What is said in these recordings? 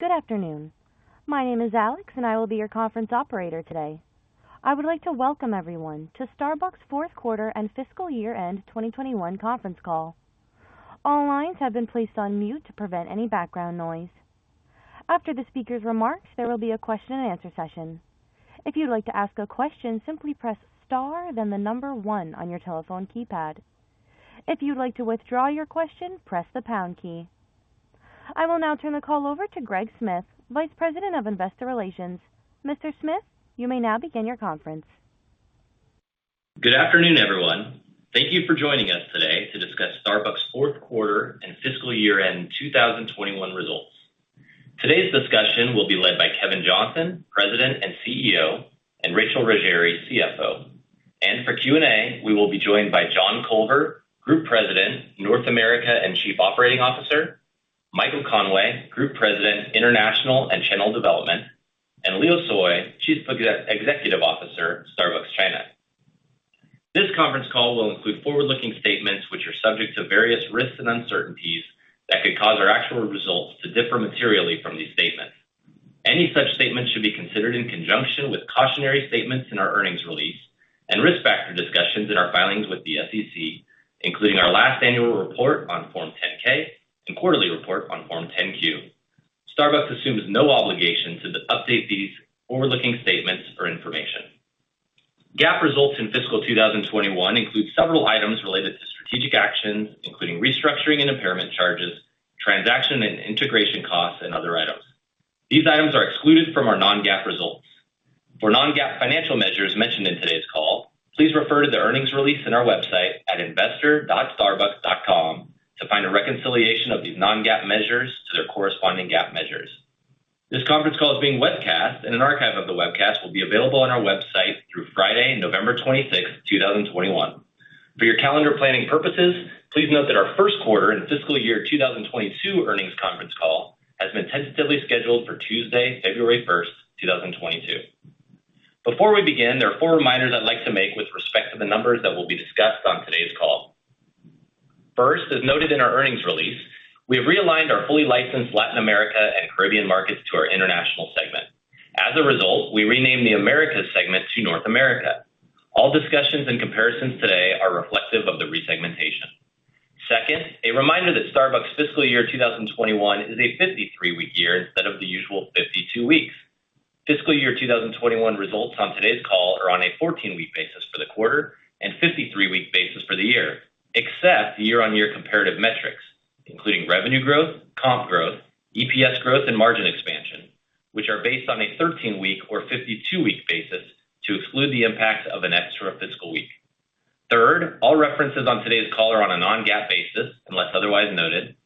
Good afternoon. My name is Alex, and I will be your conference operator today. I would like to welcome everyone to Starbucks Q4 and fiscal year-end 2021 conference call. All lines have been placed on mute to prevent any background noise. After the speaker's remarks, there will be a question and answer session. If you'd like to ask a question, simply press Star, then the number 1 on your telephone keypad. If you'd like to withdraw your question, press the pound key. I will now turn the call over to Greg Smith, Vice President of Investor Relations. Mr. Smith, you may now begin your conference. Good afternoon, everyone. Thank you for joining us today to discuss Starbucks' Q4 and fiscal year-end 2021 results. Today's discussion will be led by Kevin Johnson, President and CEO, and Rachel Ruggeri, CFO. For Q&A, we will be joined by John Culver, Group President, North America, and Chief Operating Officer, Michael Conway, Group President, International and Channel Development, and Leo Tsoi, Chief Executive Officer, Starbucks China. This conference call will include forward-looking statements which are subject to various risks and uncertainties that could cause our actual results to differ materially from these statements. Any such statements should be considered in conjunction with cautionary statements in our earnings release and risk factor discussions in our filings with the SEC, including our last annual report on Form 10-K and quarterly report on Form 10-Q. Starbucks assumes no obligation to update these forward-looking statements or information. GAAP results in fiscal 2021 include several items related to strategic actions, including restructuring and impairment charges, transaction and integration costs, and other items. These items are excluded from our non-GAAP results. For non-GAAP financial measures mentioned in today's call, please refer to the earnings release in our website at investor.starbucks.com to find a reconciliation of these non-GAAP measures to their corresponding GAAP measures. This conference call is being webcast, and an archive of the webcast will be available on our website through Friday, November 26, 2021. For your calendar planning purposes, please note that our Q1 and fiscal year 2022 earnings conference call has been tentatively scheduled for Tuesday, February 1, 2022. Before we begin, there are four reminders I'd like to make with respect to the numbers that will be discussed on today's call. First, as noted in our earnings release, we have realigned our fully licensed Latin America and Caribbean markets to our international segment. As a result, we renamed the Americas segment to North America. All discussions and comparisons today are reflective of the resegmentation. Second, a reminder that Starbucks' fiscal year 2021 is a 53-week year instead of the usual 52 weeks. Fiscal year 2021 results on today's call are on a 14-week basis for the quarter and 53-week basis for the year, except year-on-year comparative metrics, including revenue growth, comp growth, EPS growth, and margin expansion, which are based on a 13-week or 52-week basis to exclude the impact of an extra fiscal week. Third, all references on today's call are on a non-GAAP basis unless otherwise noted.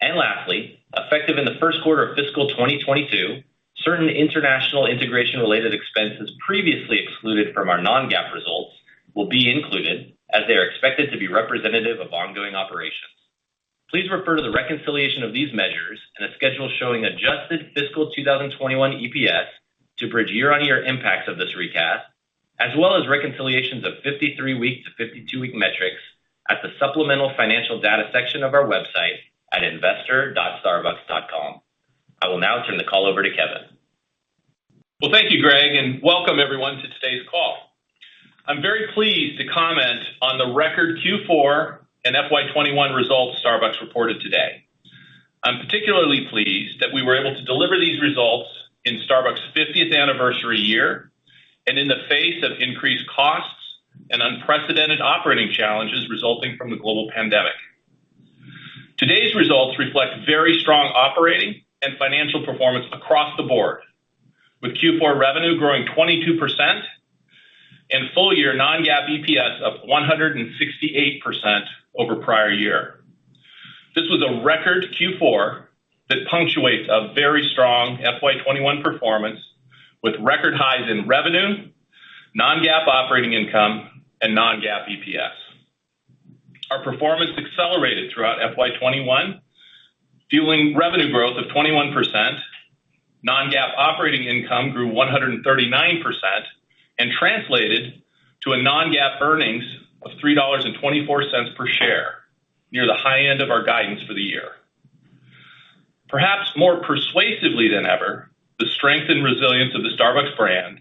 Lastly, effective in the Q1 of fiscal 2022, certain international integration-related expenses previously excluded from our non-GAAP results will be included as they are expected to be representative of ongoing operations. Please refer to the reconciliation of these measures and a schedule showing adjusted fiscal 2021 EPS to bridge year-on-year impacts of this recast, as well as reconciliations of 53-week to 52-week metrics at the supplemental financial data section of our website at investor.starbucks.com. I will now turn the call over to Kevin. Well, thank you, Greg, and welcome everyone to today's call. I'm very pleased to comment on the record Q4 and FY 2021 results Starbucks reported today. I'm particularly pleased that we were able to deliver these results in Starbucks' 50th anniversary year and in the face of increased costs and unprecedented operating challenges resulting from the global pandemic. Today's results reflect very strong operating and financial performance across the board, with Q4 revenue growing 22% and full-year non-GAAP EPS up 168% over prior year. This was a record Q4 that punctuates a very strong FY 2021 performance with record highs in revenue, non-GAAP operating income, and non-GAAP EPS. Our performance accelerated throughout FY 2021, fueling revenue growth of 21%. Non-GAAP operating income grew 139% and translated to a non-GAAP earnings of $3.24 per share, near the high end of our guidance for the year. Perhaps more persuasively than ever, the strength and resilience of the Starbucks brand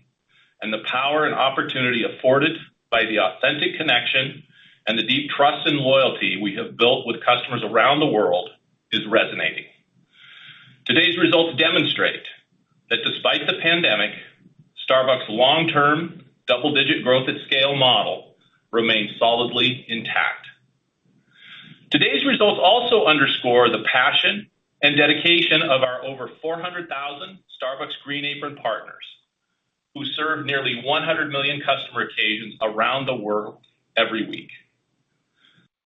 and the power and opportunity afforded by the authentic connection and the deep trust and loyalty we have built with customers around the world is resonating. Today's results demonstrate that despite the pandemic, Starbucks long-term double-digit growth at scale model remains solidly intact. Today's results also underscore the passion and dedication of our over 400,000 Starbucks Green Apron partners who serve nearly 100 million customer occasions around the world every week.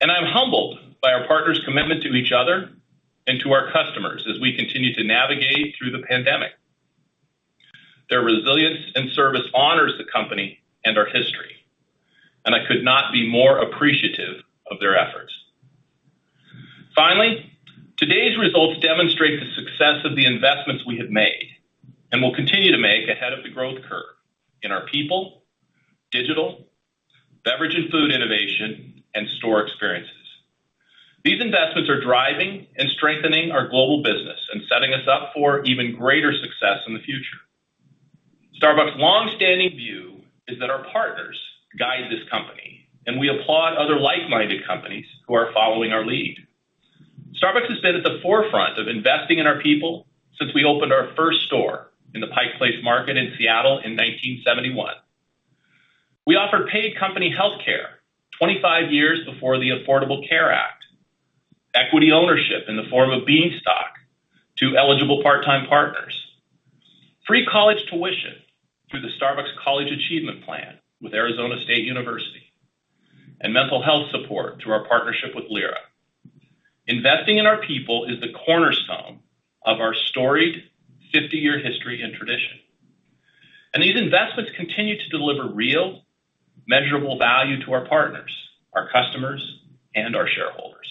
I'm humbled by our partners' commitment to each other and to our customers as we continue to navigate through the pandemic. Their resilience and service honors the company and our history, and I could not be more appreciative of their efforts. Finally, today's results demonstrate the success of the investments we have made and will continue to make in our people, digital, beverage and food innovation, and store experiences. These investments are driving and strengthening our global business and setting us up for even greater success in the future. Starbucks long-standing view is that our partners guide this company, and we applaud other like-minded companies who are following our lead. Starbucks has been at the forefront of investing in our people since we opened our first store in the Pike Place Market in Seattle in 1971. We offer paid company health care 25 years before the Affordable Care Act. Equity ownership in the form of Bean Stock to eligible part-time partners. Free college tuition through the Starbucks College Achievement Plan with Arizona State University, and mental health support through our partnership with Lyra. Investing in our people is the cornerstone of our storied 50-year history and tradition. These investments continue to deliver real, measurable value to our partners, our customers, and our shareholders.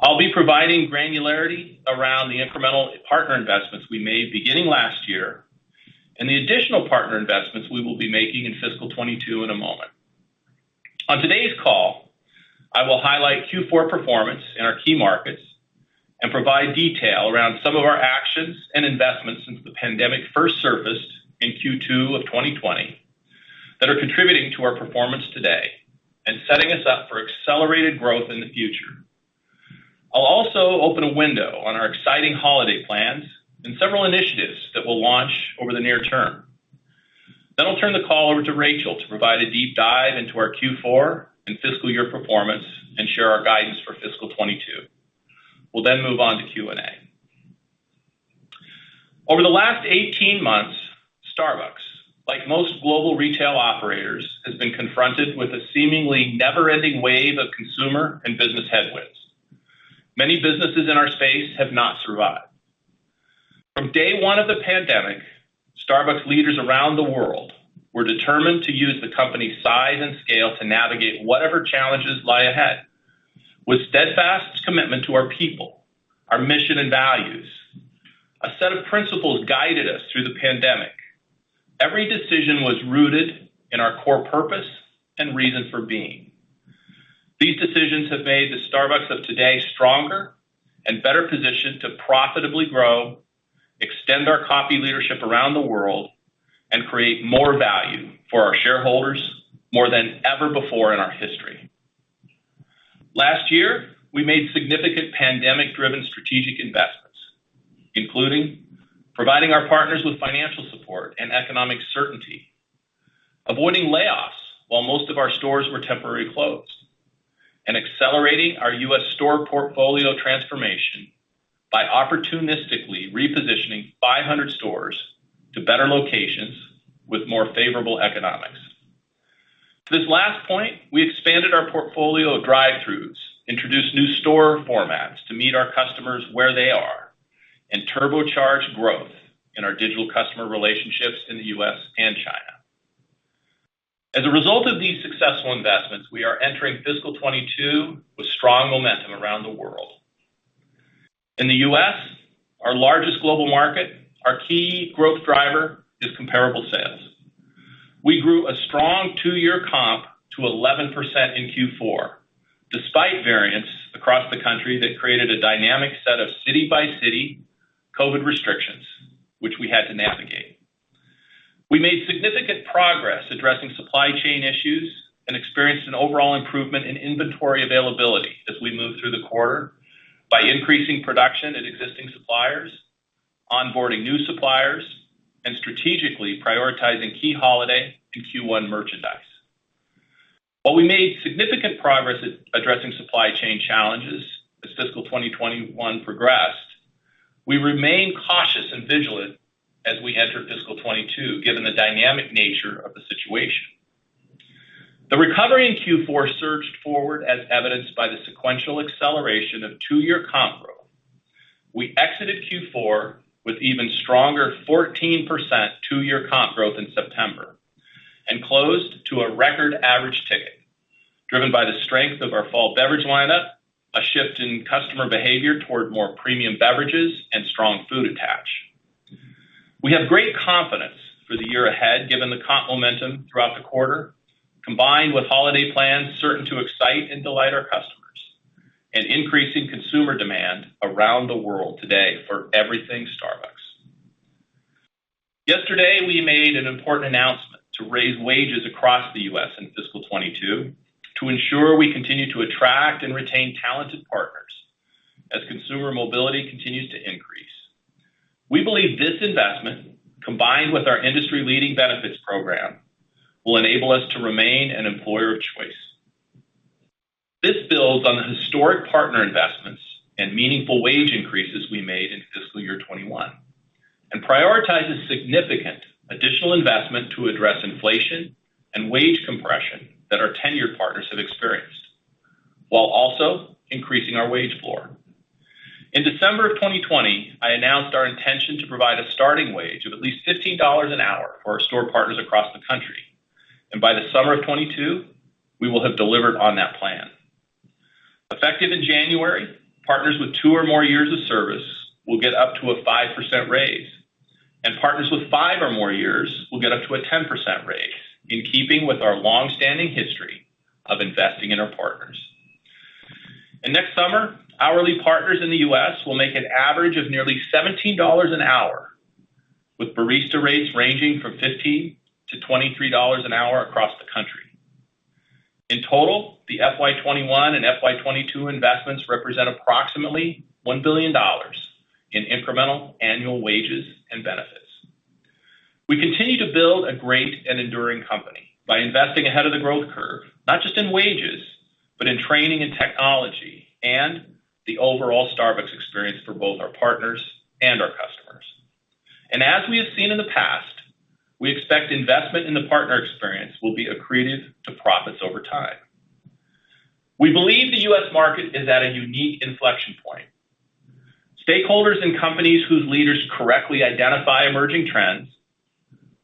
I'll be providing granularity around the incremental partner investments we made beginning last year and the additional partner investments we will be making in fiscal 2022 in a moment. On today's call, I will highlight Q4 performance in our key markets and provide detail around some of our actions and investments since the pandemic first surfaced in Q2 of 2020 that are contributing to our performance today and setting us up for accelerated growth in the future. I'll also open a window on our exciting holiday plans and several initiatives that will launch over the near term. I'll turn the call over to Rachel to provide a deep dive into our Q4 and fiscal year performance and share our guidance for fiscal 2022. We'll then move on to Q&A. Over the last 18 months, Starbucks, like most global retail operators, has been confronted with a seemingly never-ending wave of consumer and business headwinds. Many businesses in our space have not survived. From day one of the pandemic, Starbucks leaders around the world were determined to use the company's size and scale to navigate whatever challenges lie ahead. With steadfast commitment to our people, our mission and values, a set of principles guided us through the pandemic. Every decision was rooted in our core purpose and reason for being. These decisions have made the Starbucks of today stronger and better positioned to profitably grow, extend our coffee leadership around the world, and create more value for our shareholders more than ever before in our history. Last year, we made significant pandemic-driven strategic investments, including providing our partners with financial support and economic certainty, avoiding layoffs while most of our stores were temporarily closed, and accelerating our U.S. store portfolio transformation by opportunistically repositioning 500 stores to better locations with more favorable economics. This last point, we expanded our portfolio of drive-throughs, introduced new store formats to meet our customers where they are, and turbocharged growth in our digital customer relationships in the U.S. and China. As a result of these successful investments, we are entering fiscal 2022 with strong momentum around the world. In the U.S., our largest global market, our key growth driver is comparable sales. We grew a strong two-year comp to 11% in Q4, despite variants across the country that created a dynamic set of city-by-city COVID restrictions, which we had to navigate. We made significant progress addressing supply chain issues and experienced an overall improvement in inventory availability as we moved through the quarter by increasing production at existing suppliers, onboarding new suppliers, and strategically prioritizing key holiday to Q1 merchandise. While we made significant progress at addressing supply chain challenges as fiscal 2021 progressed, we remain cautious and vigilant as we enter fiscal 2022, given the dynamic nature of the situation. The recovery in Q4 surged forward as evidenced by the sequential acceleration of two-year comp growth. We exited Q4 with even stronger 14% two-year comp growth in September and closed to a record average ticket driven by the strength of our fall beverage lineup, a shift in customer behavior toward more premium beverages, and strong food attach. We have great confidence for the year ahead given the comp momentum throughout the quarter, combined with holiday plans certain to excite and delight our customers and increasing consumer demand around the world today for everything Starbucks. Yesterday, we made an important announcement to raise wages across the U.S. in fiscal 2022 to ensure we continue to attract and retain talented partners as consumer mobility continues to increase. We believe this investment, combined with our industry-leading benefits program, will enable us to remain an employer of choice. This builds on the historic partner investments and meaningful wage increases we made in fiscal year 2021 and prioritizes significant additional investment to address inflation and wage compression that our tenured partners have experienced, while also increasing our wage floor. In December of 2020, I announced our intention to provide a starting wage of at least $15 an hour for our store partners across the country. By the summer of 2022, we will have delivered on that pledge. Effective in January, partners with two or more years of service will get up to a 5% raise, and partners with five or more years will get up to a 10% raise in keeping with our long-standing history of investing in our partners. Next summer, hourly partners in the U.S. will make an average of nearly $17 an hour, with barista rates ranging from $15-$23 an hour across the country. In total, the FY 2021 and FY 2022 investments represent approximately $1 billion in incremental annual wages and benefits. We continue to build a great and enduring company by investing ahead of the growth curve, not just in wages, but in training and technology and the overall Starbucks experience for both our partners and our customers. As we have seen in the past, we expect investment in the partner experience will be accreted to profits over time. We believe the U.S. market is at a unique inflection point. Stakeholders and companies whose leaders correctly identify emerging trends,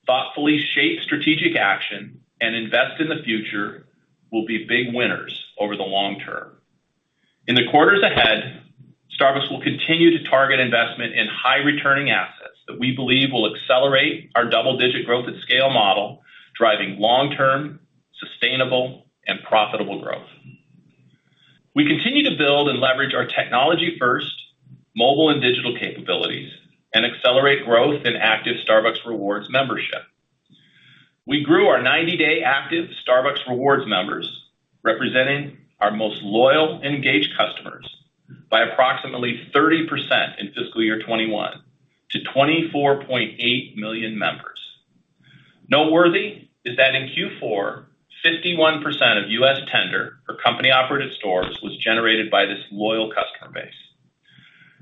thoughtfully shape strategic action, and invest in the future will be big winners over the long term. In the quarters ahead, Starbucks will continue to target investment in high-returning assets that we believe will accelerate our double-digit growth-at-scale model, driving long-term, sustainable, and profitable growth. We continue to build and leverage our technology-first, mobile, and digital capabilities and accelerate growth in active Starbucks Rewards membership. We grew our 90-day active Starbucks Rewards members, representing our most loyal and engaged customers, by approximately 30% in fiscal year 2021 to 24.8 million members. Noteworthy is that in Q4, 51% of U.S. tender for company-operated stores was generated by this loyal customer base.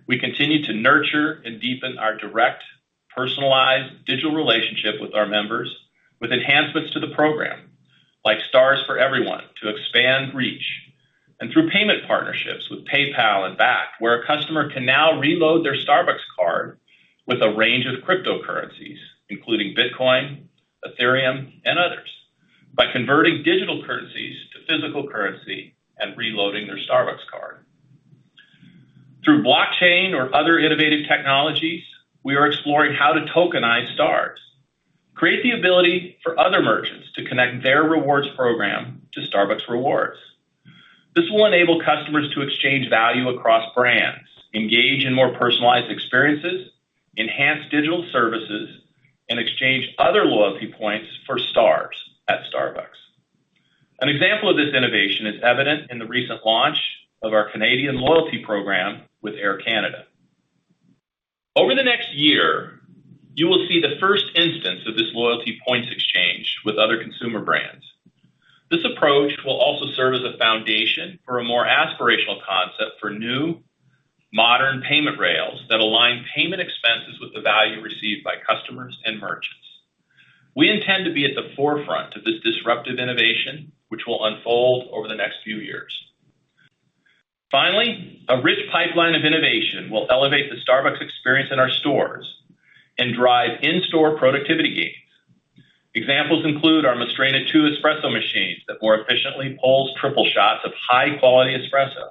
We continue to nurture and deepen our direct, personalized digital relationship with our members with enhancements to the program like Stars for Everyone to expand reach. Through payment partnerships with PayPal and Bakkt, where a customer can now reload their Starbucks card with a range of cryptocurrencies, including Bitcoin, Ethereum and others, by converting digital currencies to physical currency and reloading their Starbucks card. Through blockchain or other innovative technologies, we are exploring how to tokenize Stars, create the ability for other merchants to connect their rewards program to Starbucks Rewards. This will enable customers to exchange value across brands, engage in more personalized experiences, enhance digital services, and exchange other loyalty points for Stars at Starbucks. An example of this innovation is evident in the recent launch of our Canadian loyalty program with Air Canada. Over the next year, you will see the first instance of this loyalty points exchange with other consumer brands. This approach will also serve as a foundation for a more aspirational concept for new modern payment rails that align payment expenses with the value received by customers and merchants. We intend to be at the forefront of this disruptive innovation, which will unfold over the next few years. Finally, a rich pipeline of innovation will elevate the Starbucks experience in our stores and drive in-store productivity gains. Examples include our Mastrena II espresso machines that more efficiently pulls triple shots of high quality espresso.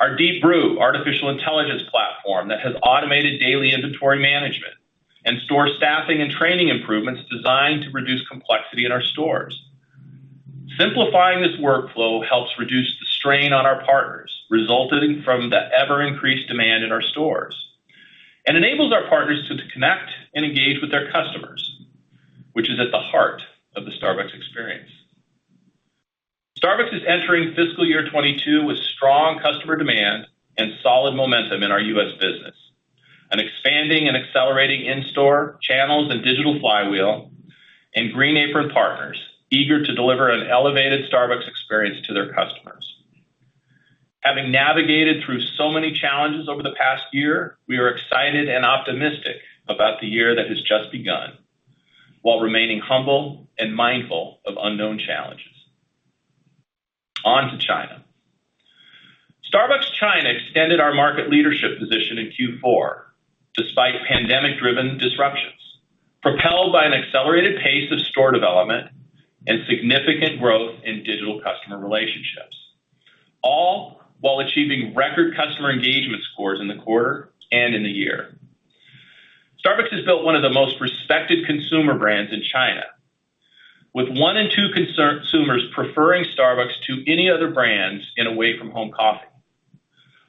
Our Deep Brew artificial intelligence platform that has automated daily inventory management and store staffing and training improvements designed to reduce complexity in our stores. Simplifying this workflow helps reduce the strain on our partners, resulting from the ever increased demand in our stores. Enables our partners to connect and engage with their customers, which is at the heart of the Starbucks experience. Starbucks is entering fiscal year 2022 with strong customer demand and solid momentum in our U.S. business, an expanding and accelerating in-store channels and digital flywheel and Green Apron partners eager to deliver an elevated Starbucks experience to their customers. Having navigated through so many challenges over the past year, we are excited and optimistic about the year that has just begun, while remaining humble and mindful of unknown challenges. On to China. Starbucks China extended our market leadership position in Q4 despite pandemic-driven disruptions, propelled by an accelerated pace of store development and significant growth in digital customer relationships, all while achieving record customer engagement scores in the quarter and in the year. Starbucks has built one of the most respected consumer brands in China, with one in two consumers preferring Starbucks to any other brands in away from home coffee.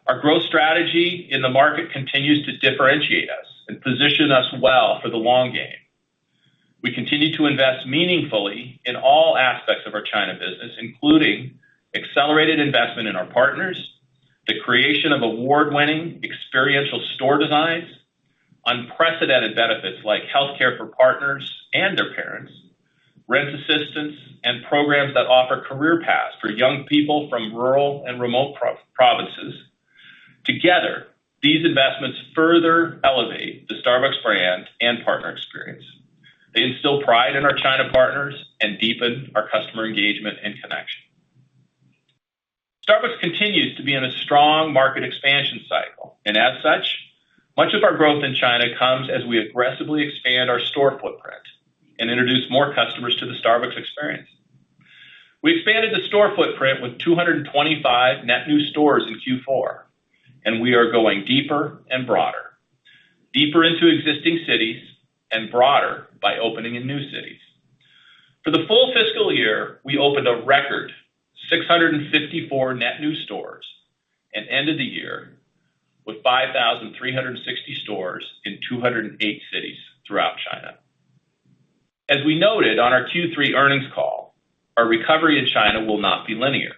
Our growth strategy in the market continues to differentiate us and position us well for the long game. We continue to invest meaningfully in all aspects of our China business, including accelerated investment in our partners, the creation of award-winning experiential store designs, unprecedented benefits like health care for partners and their parents, rent assistance and programs that offer career paths for young people from rural and remote provinces. Together, these investments further elevate the Starbucks brand and partner experience. They instill pride in our China partners and deepen our customer engagement and connection. Starbucks continues to be in a strong market expansion cycle, and as such, much of our growth in China comes as we aggressively expand our store footprint. Introduce more customers to the Starbucks experience. We expanded the store footprint with 225 net new stores in Q4, and we are going deeper and broader, deeper into existing cities and broader by opening in new cities. For the full fiscal year, we opened a record 654 net new stores and ended the year with 5,360 stores in 208 cities throughout China. As we noted on our Q3 earnings call, our recovery in China will not be linear.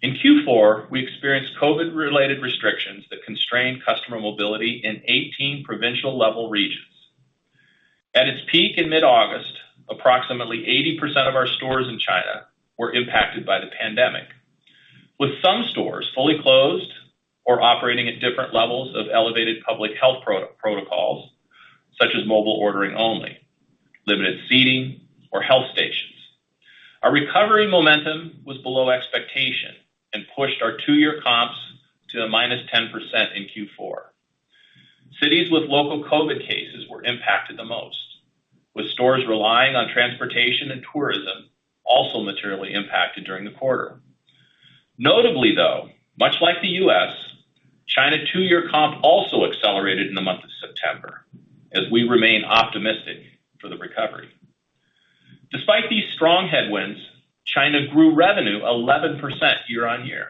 In Q4, we experienced COVID-related restrictions that constrained customer mobility in 18 provincial level regions. At its peak in mid-August, approximately 80% of our stores in China were impacted by the pandemic, with some stores fully closed or operating at different levels of elevated public health protocols such as mobile ordering only, limited seating or health stations. Our recovery momentum was below expectation and pushed our two-year comps to -10% in Q4. Cities with local COVID cases were impacted the most, with stores relying on transportation and tourism also materially impacted during the quarter. Notably, though, much like the U.S., China two-year comp also accelerated in the month of September as we remain optimistic for the recovery. Despite these strong headwinds, China grew revenue 11% year-on-year.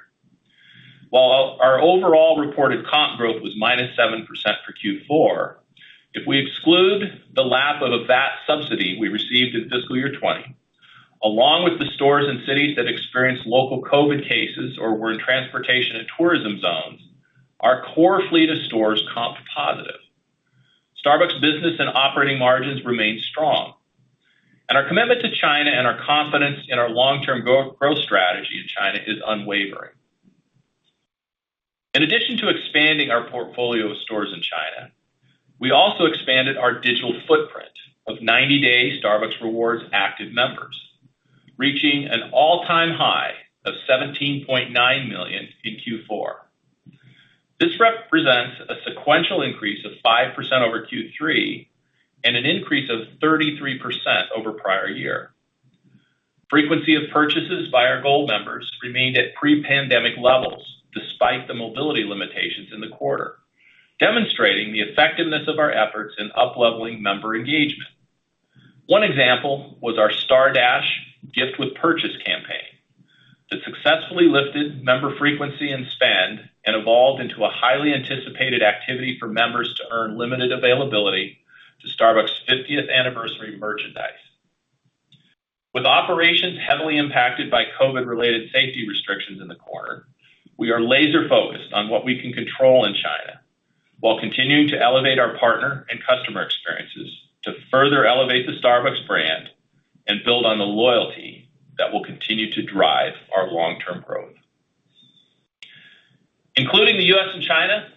While our overall reported comp growth was -7% for Q4, if we exclude the lap of a VAT subsidy we received in fiscal year 2020, along with the stores and cities that experienced local COVID cases or were in transportation and tourism zones, our core fleet of stores comp positive. Starbucks business and operating margins remain strong. Our commitment to China and our confidence in our long-term growth strategy in China is unwavering. In addition to expanding our portfolio of stores in China, we also expanded our digital footprint of 90-day Starbucks Rewards active members, reaching an all-time high of 17.9 million in Q4. This represents a sequential increase of 5% over Q3 and an increase of 33% over prior year. Frequency of purchases by our Gold members remained at pre-pandemic levels despite the mobility limitations in the quarter, demonstrating the effectiveness of our efforts in upleveling member engagement. One example was our Star Dash Gift with Purchase campaign that successfully lifted member frequency and spend and evolved into a highly anticipated activity for members to earn limited availability to Starbucks 50th anniversary merchandise. With operations heavily impacted by COVID-related safety restrictions in the quarter, we are laser focused on what we can control in China while continuing to elevate our partner and customer experiences to further elevate the Starbucks brand and build on the loyalty that will continue to drive our long-term growth. Including the U.S. and China,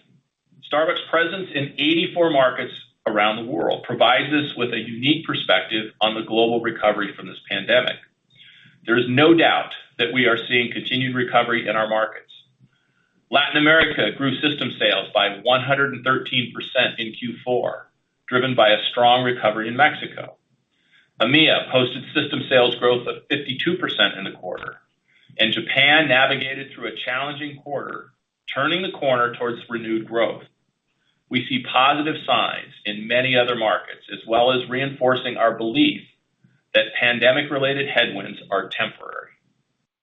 Starbucks presence in 84 markets around the world provides us with a unique perspective on the global recovery from this pandemic. There is no doubt that we are seeing continued recovery in our markets. Latin America grew system sales by 113% in Q4, driven by a strong recovery in Mexico. EMEA posted system sales growth of 52% in the quarter, and Japan navigated through a challenging quarter, turning the corner towards renewed growth. We see positive signs in many other markets, as well as reinforcing our belief that pandemic-related headwinds are temporary.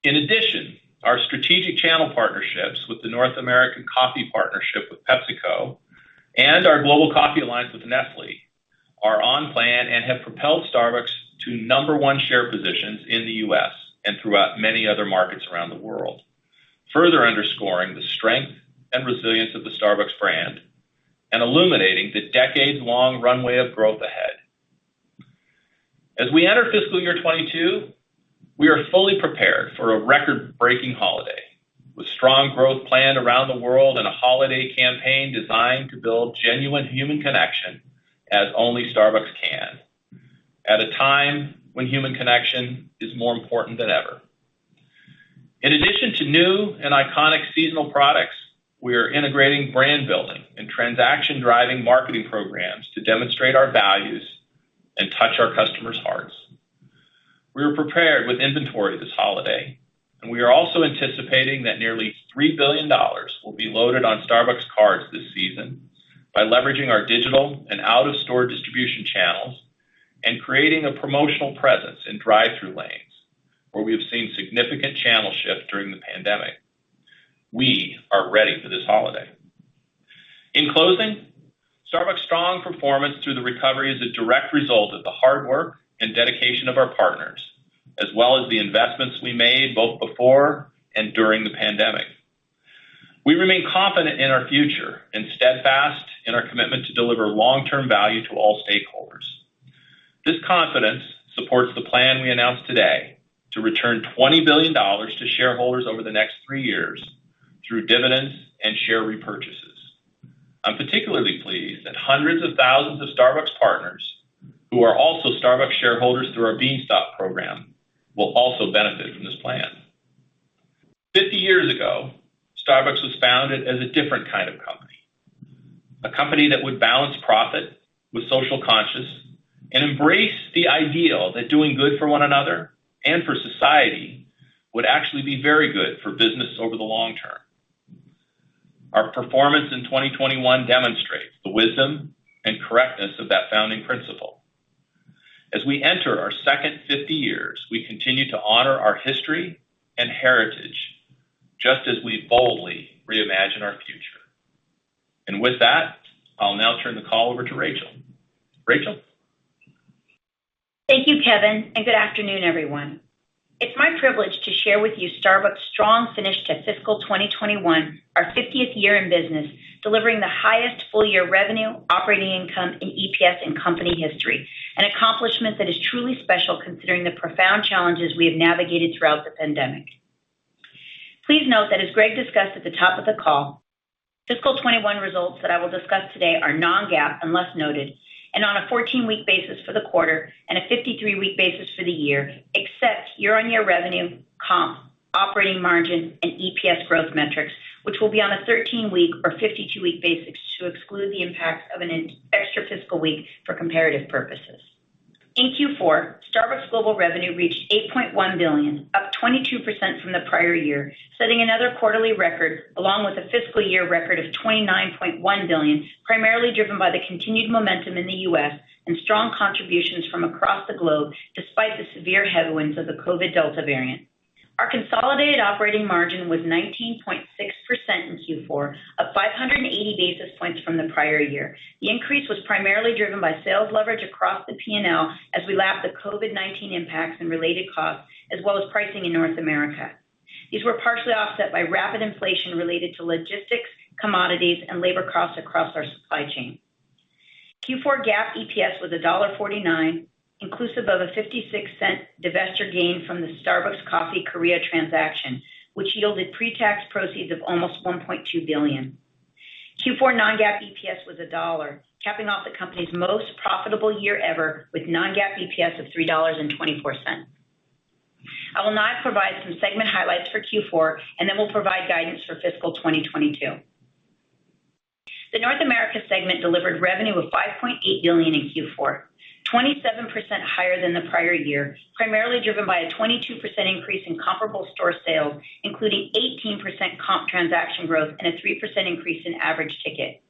In addition, our strategic channel partnerships with the North American Coffee Partnership with PepsiCo and our Global Coffee Alliance with Nestlé are on plan and have propelled Starbucks to number one share positions in the U.S. and throughout many other markets around the world, further underscoring the strength and resilience of the Starbucks brand and illuminating the decades-long runway of growth ahead. As we enter fiscal year 2022, we are fully prepared for a record-breaking holiday with strong growth planned around the world and a holiday campaign designed to build genuine human connection as only Starbucks can, at a time when human connection is more important than ever. In addition to new and iconic seasonal products, we are integrating brand building and transaction-driving marketing programs to demonstrate our values and touch our customers' hearts. We are prepared with inventory this holiday, and we are also anticipating that nearly $3 billion will be loaded on Starbucks cards this season by leveraging our digital and out-of-store distribution channels and creating a promotional presence in drive-through lanes, where we have seen significant channel shift during the pandemic. We are ready for this holiday. In closing, Starbucks' strong performance through the recovery is a direct result of the hard work and dedication of our partners, as well as the investments we made both before and during the pandemic. We remain confident in our future and steadfast in our commitment to deliver long-term value to all stakeholders. This confidence supports the plan we announced today to return $20 billion to shareholders over the next 3 years through dividends and share repurchases. I'm particularly pleased that hundreds of thousands of Starbucks partners who are also Starbucks shareholders through our Bean Stock program will also benefit from this plan. 50 Years ago, Starbucks was founded as a different kind of company. A company that would balance profit with social conscience and embrace the ideal that doing good for one another and for society would actually be very good for business over the long term. Our performance in 2021 demonstrates the wisdom and correctness of that founding principle. As we enter our second 50 years, we continue to honor our history and heritage, just as we boldly reimagine our future. With that, I'll now turn the call over to Rachel. Rachel. Thank you, Kevin, and good afternoon, everyone. It's my privilege to share with you Starbucks' strong finish to fiscal 2021, our 50th year in business, delivering the highest full-year revenue, operating income, and EPS in company history. An accomplishment that is truly special considering the profound challenges we have navigated throughout the pandemic. Please note that as Greg discussed at the top of the call, fiscal 2021 results that I will discuss today are non-GAAP, unless noted, and on a 14-week basis for the quarter and a 53-week basis for the year, except year-on-year revenue, comp, operating margin, and EPS growth metrics, which will be on a 13-week or 52-week basis to exclude the impact of an extra fiscal week for comparative purposes. In Q4, Starbucks global revenue reached $8.1 billion, up 22% from the prior year, setting another quarterly record along with a fiscal year record of $29.1 billion, primarily driven by the continued momentum in the U.S. and strong contributions from across the globe despite the severe headwinds of the COVID-19 Delta variant. Our consolidated operating margin was 19.6% in Q4, up 580 basis points from the prior year. The increase was primarily driven by sales leverage across the P&L as we lap the COVID-19 impacts and related costs, as well as pricing in North America. These were partially offset by rapid inflation related to logistics, commodities, and labor costs across our supply chain. Q4 GAAP EPS was $1.49, inclusive of a $0.56 divested gain from the Starbucks Coffee Korea transaction, which yielded pre-tax proceeds of almost $1.2 billion. Q4 non-GAAP EPS was $1, capping off the company's most profitable year ever with non-GAAP EPS of $3.24. I will now provide some segment highlights for Q4, and then we'll provide guidance for fiscal 2022. The North America segment delivered revenue of $5.8 billion in Q4, 27% higher than the prior year, primarily driven by a 22% increase in comparable store sales, including 18% comp transaction growth and a 3% increase in average ticket.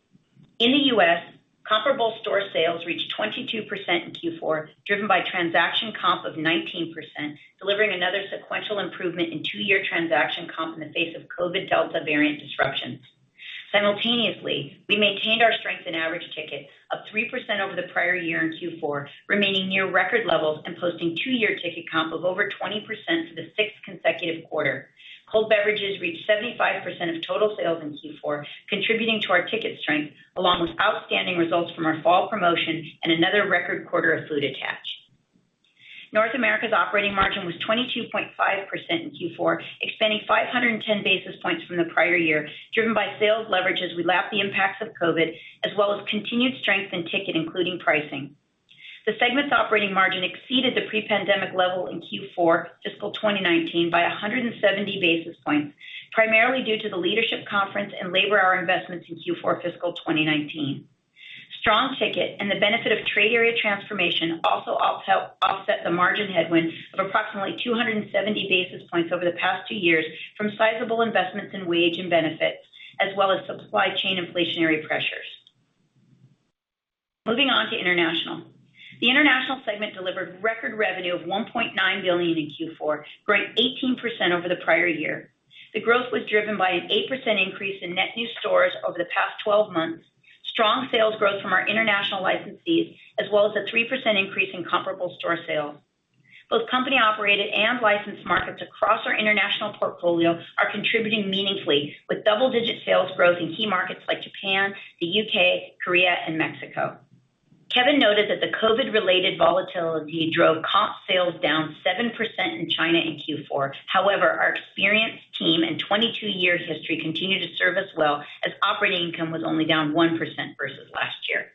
In the U.S., comparable store sales reached 22% in Q4, driven by transaction comp of 19%, delivering another sequential improvement in two-year transaction comp in the face of COVID-19 Delta variant disruptions. Simultaneously, we maintained our strength in average ticket, up 3% over the prior year in Q4, remaining near record levels and posting two-year ticket comp of over 20% for the sixth consecutive quarter. Cold beverages reached 75% of total sales in Q4, contributing to our ticket strength, along with outstanding results from our fall promotion and another record quarter of food attach. North America's operating margin was 22.5% in Q4, expanding 510 basis points from the prior year, driven by sales leverage as we lap the impacts of COVID, as well as continued strength in ticket, including pricing. The segment's operating margin exceeded the pre-pandemic level in Q4 fiscal 2019 by 170 basis points, primarily due to the leadership conference and labor hour investments in Q4 fiscal 2019. Strong ticket and the benefit of Trade Area Transformation also offset the margin headwind of approximately 270 basis points over the past two years from sizable investments in wage and benefits, as well as supply chain inflationary pressures. Moving on to international. The international segment delivered record revenue of $1.9 billion in Q4, growing 18% over the prior year. The growth was driven by an 8% increase in net new stores over the past 12 months, strong sales growth from our international licensees, as well as a 3% increase in comparable store sales. Both company-operated and licensed markets across our international portfolio are contributing meaningfully with double-digit sales growth in key markets like Japan, the U.K., Korea, and Mexico. Kevin noted that the COVID-related volatility drove comp sales down 7% in China in Q4. However, our experienced team and 22 years history continued to serve us well as operating income was only down 1% versus last year.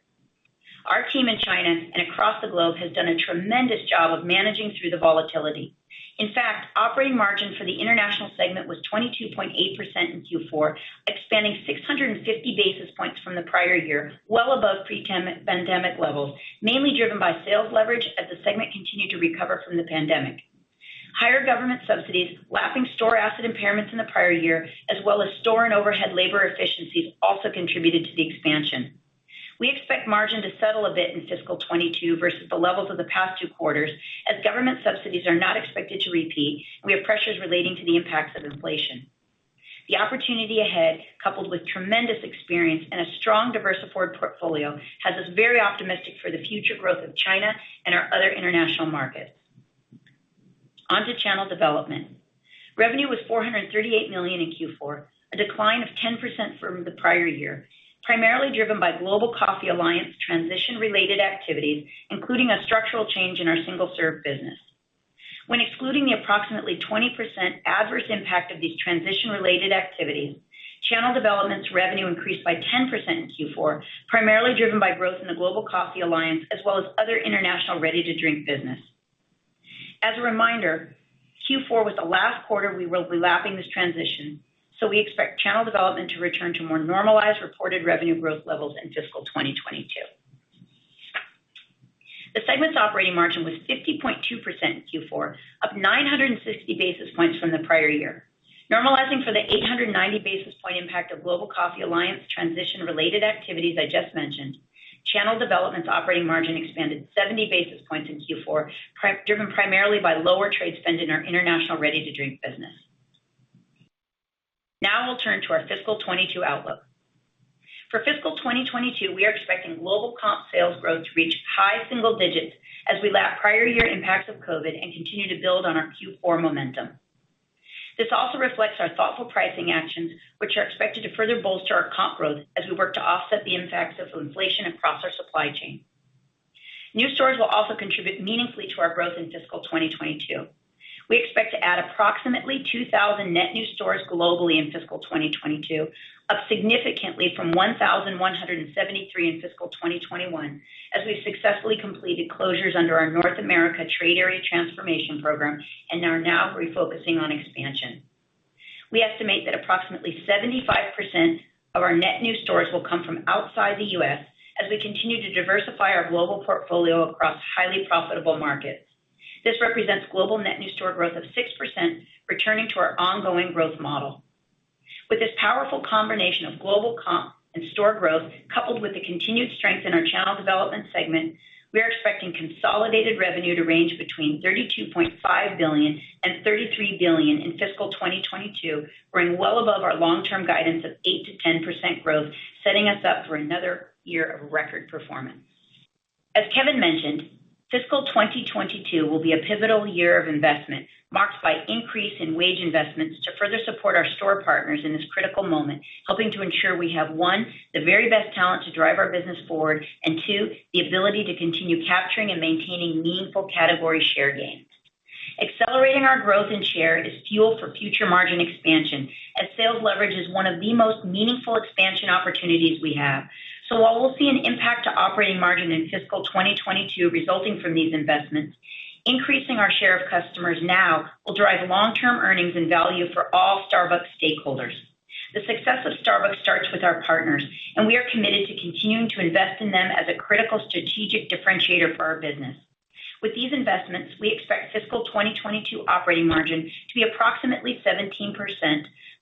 Our team in China and across the globe has done a tremendous job of managing through the volatility. In fact, operating margin for the international segment was 22.8% in Q4, expanding 650 basis points from the prior year, well above pre-pandemic levels, mainly driven by sales leverage as the segment continued to recover from the pandemic. Higher government subsidies, lapping store asset impairments in the prior year, as well as store and overhead labor efficiencies, also contributed to the expansion. We expect margin to settle a bit in fiscal 2022 versus the levels of the past two quarters, as government subsidies are not expected to repeat, and we have pressures relating to the impacts of inflation. The opportunity ahead, coupled with tremendous experience and a strong, diverse forward portfolio, has us very optimistic for the future growth of China and our other international markets. On to Channel Development. Revenue was $438 million in Q4, a decline of 10% from the prior year, primarily driven by Global Coffee Alliance transition-related activities, including a structural change in our single-serve business. When excluding the approximately 20% adverse impact of these transition-related activities, Channel Development's revenue increased by 10% in Q4, primarily driven by growth in the Global Coffee Alliance as well as other international ready-to-drink business. As a reminder, Q4 was the last quarter we will be lapping this transition, so we expect Channel Development to return to more normalized reported revenue growth levels in fiscal 2022. The segment's operating margin was 50.2% in Q4, up 960 basis points from the prior year. Normalizing for the 890 basis point impact of Global Coffee Alliance transition-related activities I just mentioned, channel development's operating margin expanded 70 basis points in Q4, driven primarily by lower trade spend in our international ready-to-drink business. Now we'll turn to our fiscal 2022 outlook. For fiscal 2022, we are expecting global comp sales growth to reach high single digits as we lap prior year impacts of COVID and continue to build on our Q4 momentum. This also reflects our thoughtful pricing actions, which are expected to further bolster our comp growth as we work to offset the impacts of inflation across our supply chain. New stores will also contribute meaningfully to our growth in fiscal 2022. We expect to add approximately 2,000 net new stores globally in fiscal 2022, up significantly from 1,173 in fiscal 2021, as we successfully completed closures under our Americas Trade Area Transformation program and are now refocusing on expansion. We estimate that approximately 75% of our net new stores will come from outside the U.S. as we continue to diversify our global portfolio across highly profitable markets. This represents global net new store growth of 6% returning to our ongoing growth model. With this powerful combination of global comp and store growth, coupled with the continued strength in our channel development segment, we are expecting consolidated revenue to range between $32.5 billion and $33 billion in fiscal 2022, growing well above our long-term guidance of 8%-10% growth, setting us up for another year of record performance. As Kevin mentioned, fiscal 2022 will be a pivotal year of investment marked by increase in wage investments to further support our store partners in this critical moment, helping to ensure we have, 1, the very best talent to drive our business forward, and 2, the ability to continue capturing and maintaining meaningful category share gains. Accelerating our growth and share is fuel for future margin expansion as sales leverage is one of the most meaningful expansion opportunities we have. While we'll see an impact to operating margin in fiscal 2022 resulting from these investments, increasing our share of customers now will drive long-term earnings and value for all Starbucks stakeholders. The success of Starbucks starts with our partners, and we are committed to continuing to invest in them as a critical strategic differentiator for our business. With these investments, we expect fiscal 2022 operating margin to be approximately 17%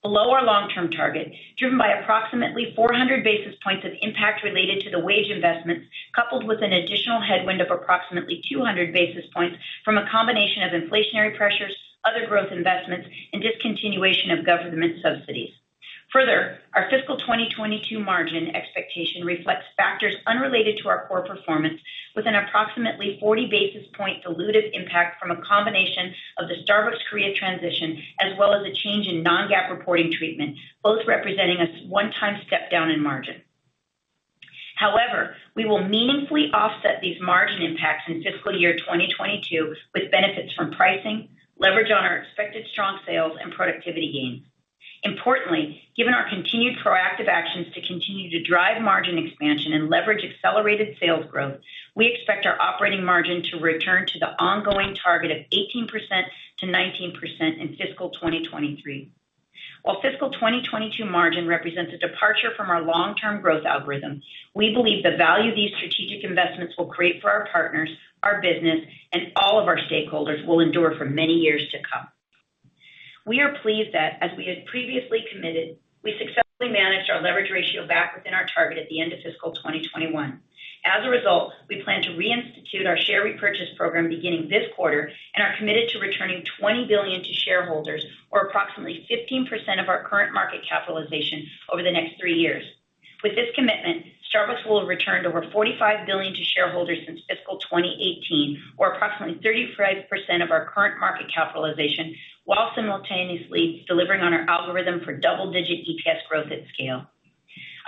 below our long-term target, driven by approximately 400 basis points of impact related to the wage investments, coupled with an additional headwind of approximately 200 basis points from a combination of inflationary pressures, other growth investments, and discontinuation of government subsidies. Further, our fiscal 2022 margin expectation reflects factors unrelated to our core performance with an approximately 40 basis points dilutive impact from a combination of the Starbucks Korea transition as well as a change in non-GAAP reporting treatment, both representing a one-time step down in margin. However, we will meaningfully offset these margin impacts in fiscal year 2022 with benefits from pricing, leverage on our expected strong sales and productivity gains. Importantly, given our continued proactive actions to continue to drive margin expansion and leverage accelerated sales growth, we expect our operating margin to return to the ongoing target of 18%-19% in fiscal 2023. While fiscal 2022 margin represents a departure from our long-term growth algorithm, we believe the value these strategic investments will create for our partners, our business, and all of our stakeholders will endure for many years to come. We are pleased that, as we had previously committed, we successfully managed our leverage ratio back within our target at the end of fiscal 2021. As a result, we plan to reinstitute our share repurchase program beginning this quarter and are committed to returning $20 billion to shareholders or approximately 15% of our current market capitalization over the next 3 years. With this commitment, Starbucks will have returned over $45 billion to shareholders since fiscal 2018, or approximately 35% of our current market capitalization, while simultaneously delivering on our algorithm for double-digit EPS growth at scale.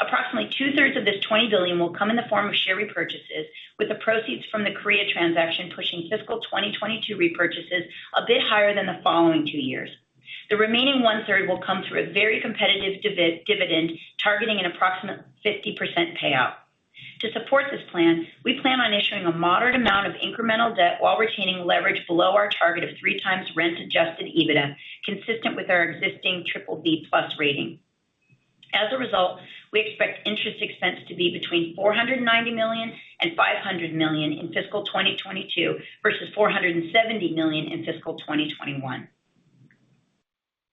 Approximately two-thirds of this $20 billion will come in the form of share repurchases, with the proceeds from the Korea transaction pushing fiscal 2022 repurchases a bit higher than the following two years. The remaining one-third will come through a very competitive dividend, targeting an approximate 50% payout. To support this plan, we plan on issuing a moderate amount of incremental debt while retaining leverage below our target of 3x rent-adjusted EBITDA, consistent with our existing triple-B+ rating. As a result, we expect interest expense to be between $490 million and $500 million in fiscal 2022 versus $470 million in fiscal 2021.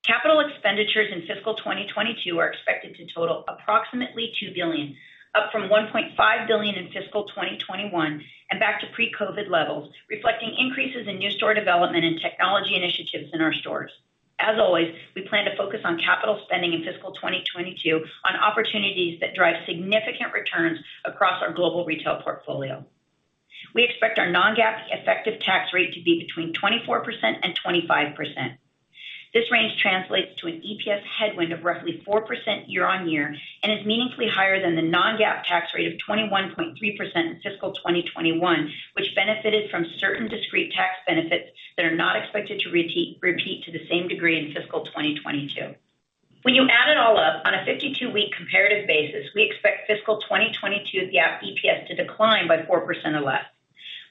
Capital expenditures in fiscal 2022 are expected to total approximately $2 billion, up from $1.5 billion in fiscal 2021 and back to pre-COVID levels, reflecting increases in new store development and technology initiatives in our stores. As always, we plan to focus on capital spending in fiscal 2022 on opportunities that drive significant returns across our global retail portfolio. We expect our non-GAAP effective tax rate to be between 24% and 25%. This range translates to an EPS headwind of roughly 4% year-on-year and is meaningfully higher than the non-GAAP tax rate of 21.3% in fiscal 2021, which benefited from certain discrete tax benefits that are not expected to repeat to the same degree in fiscal 2022. Fiscal 2022 GAAP EPS is expected to decline by 4% or less.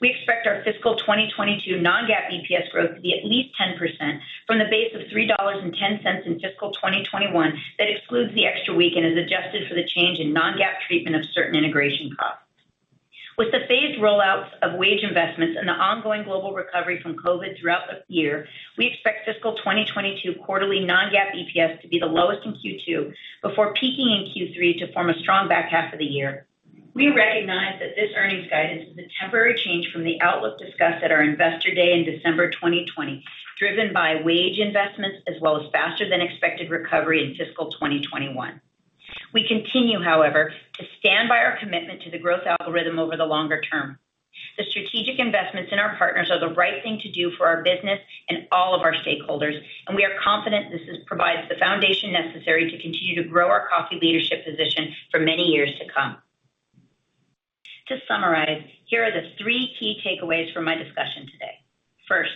We expect our fiscal 2022 non-GAAP EPS growth to be at least 10% from the base of $3.10 in fiscal 2021. That excludes the extra week and is adjusted for the change in non-GAAP treatment of certain integration costs. With the phased rollouts of wage investments and the ongoing global recovery from COVID throughout the year, we expect fiscal 2022 quarterly non-GAAP EPS to be the lowest in Q2 before peaking in Q3 to form a strong back half of the year. We recognize that this earnings guidance is a temporary change from the outlook discussed at our Investor Day in December 2020, driven by wage investments as well as faster than expected recovery in fiscal 2021. We continue, however, to stand by our commitment to the growth algorithm over the longer term. The strategic investments in our partners are the right thing to do for our business and all of our stakeholders, and we are confident this provides the foundation necessary to continue to grow our coffee leadership position for many years to come. To summarize, here are the three key takeaways from my discussion today. First,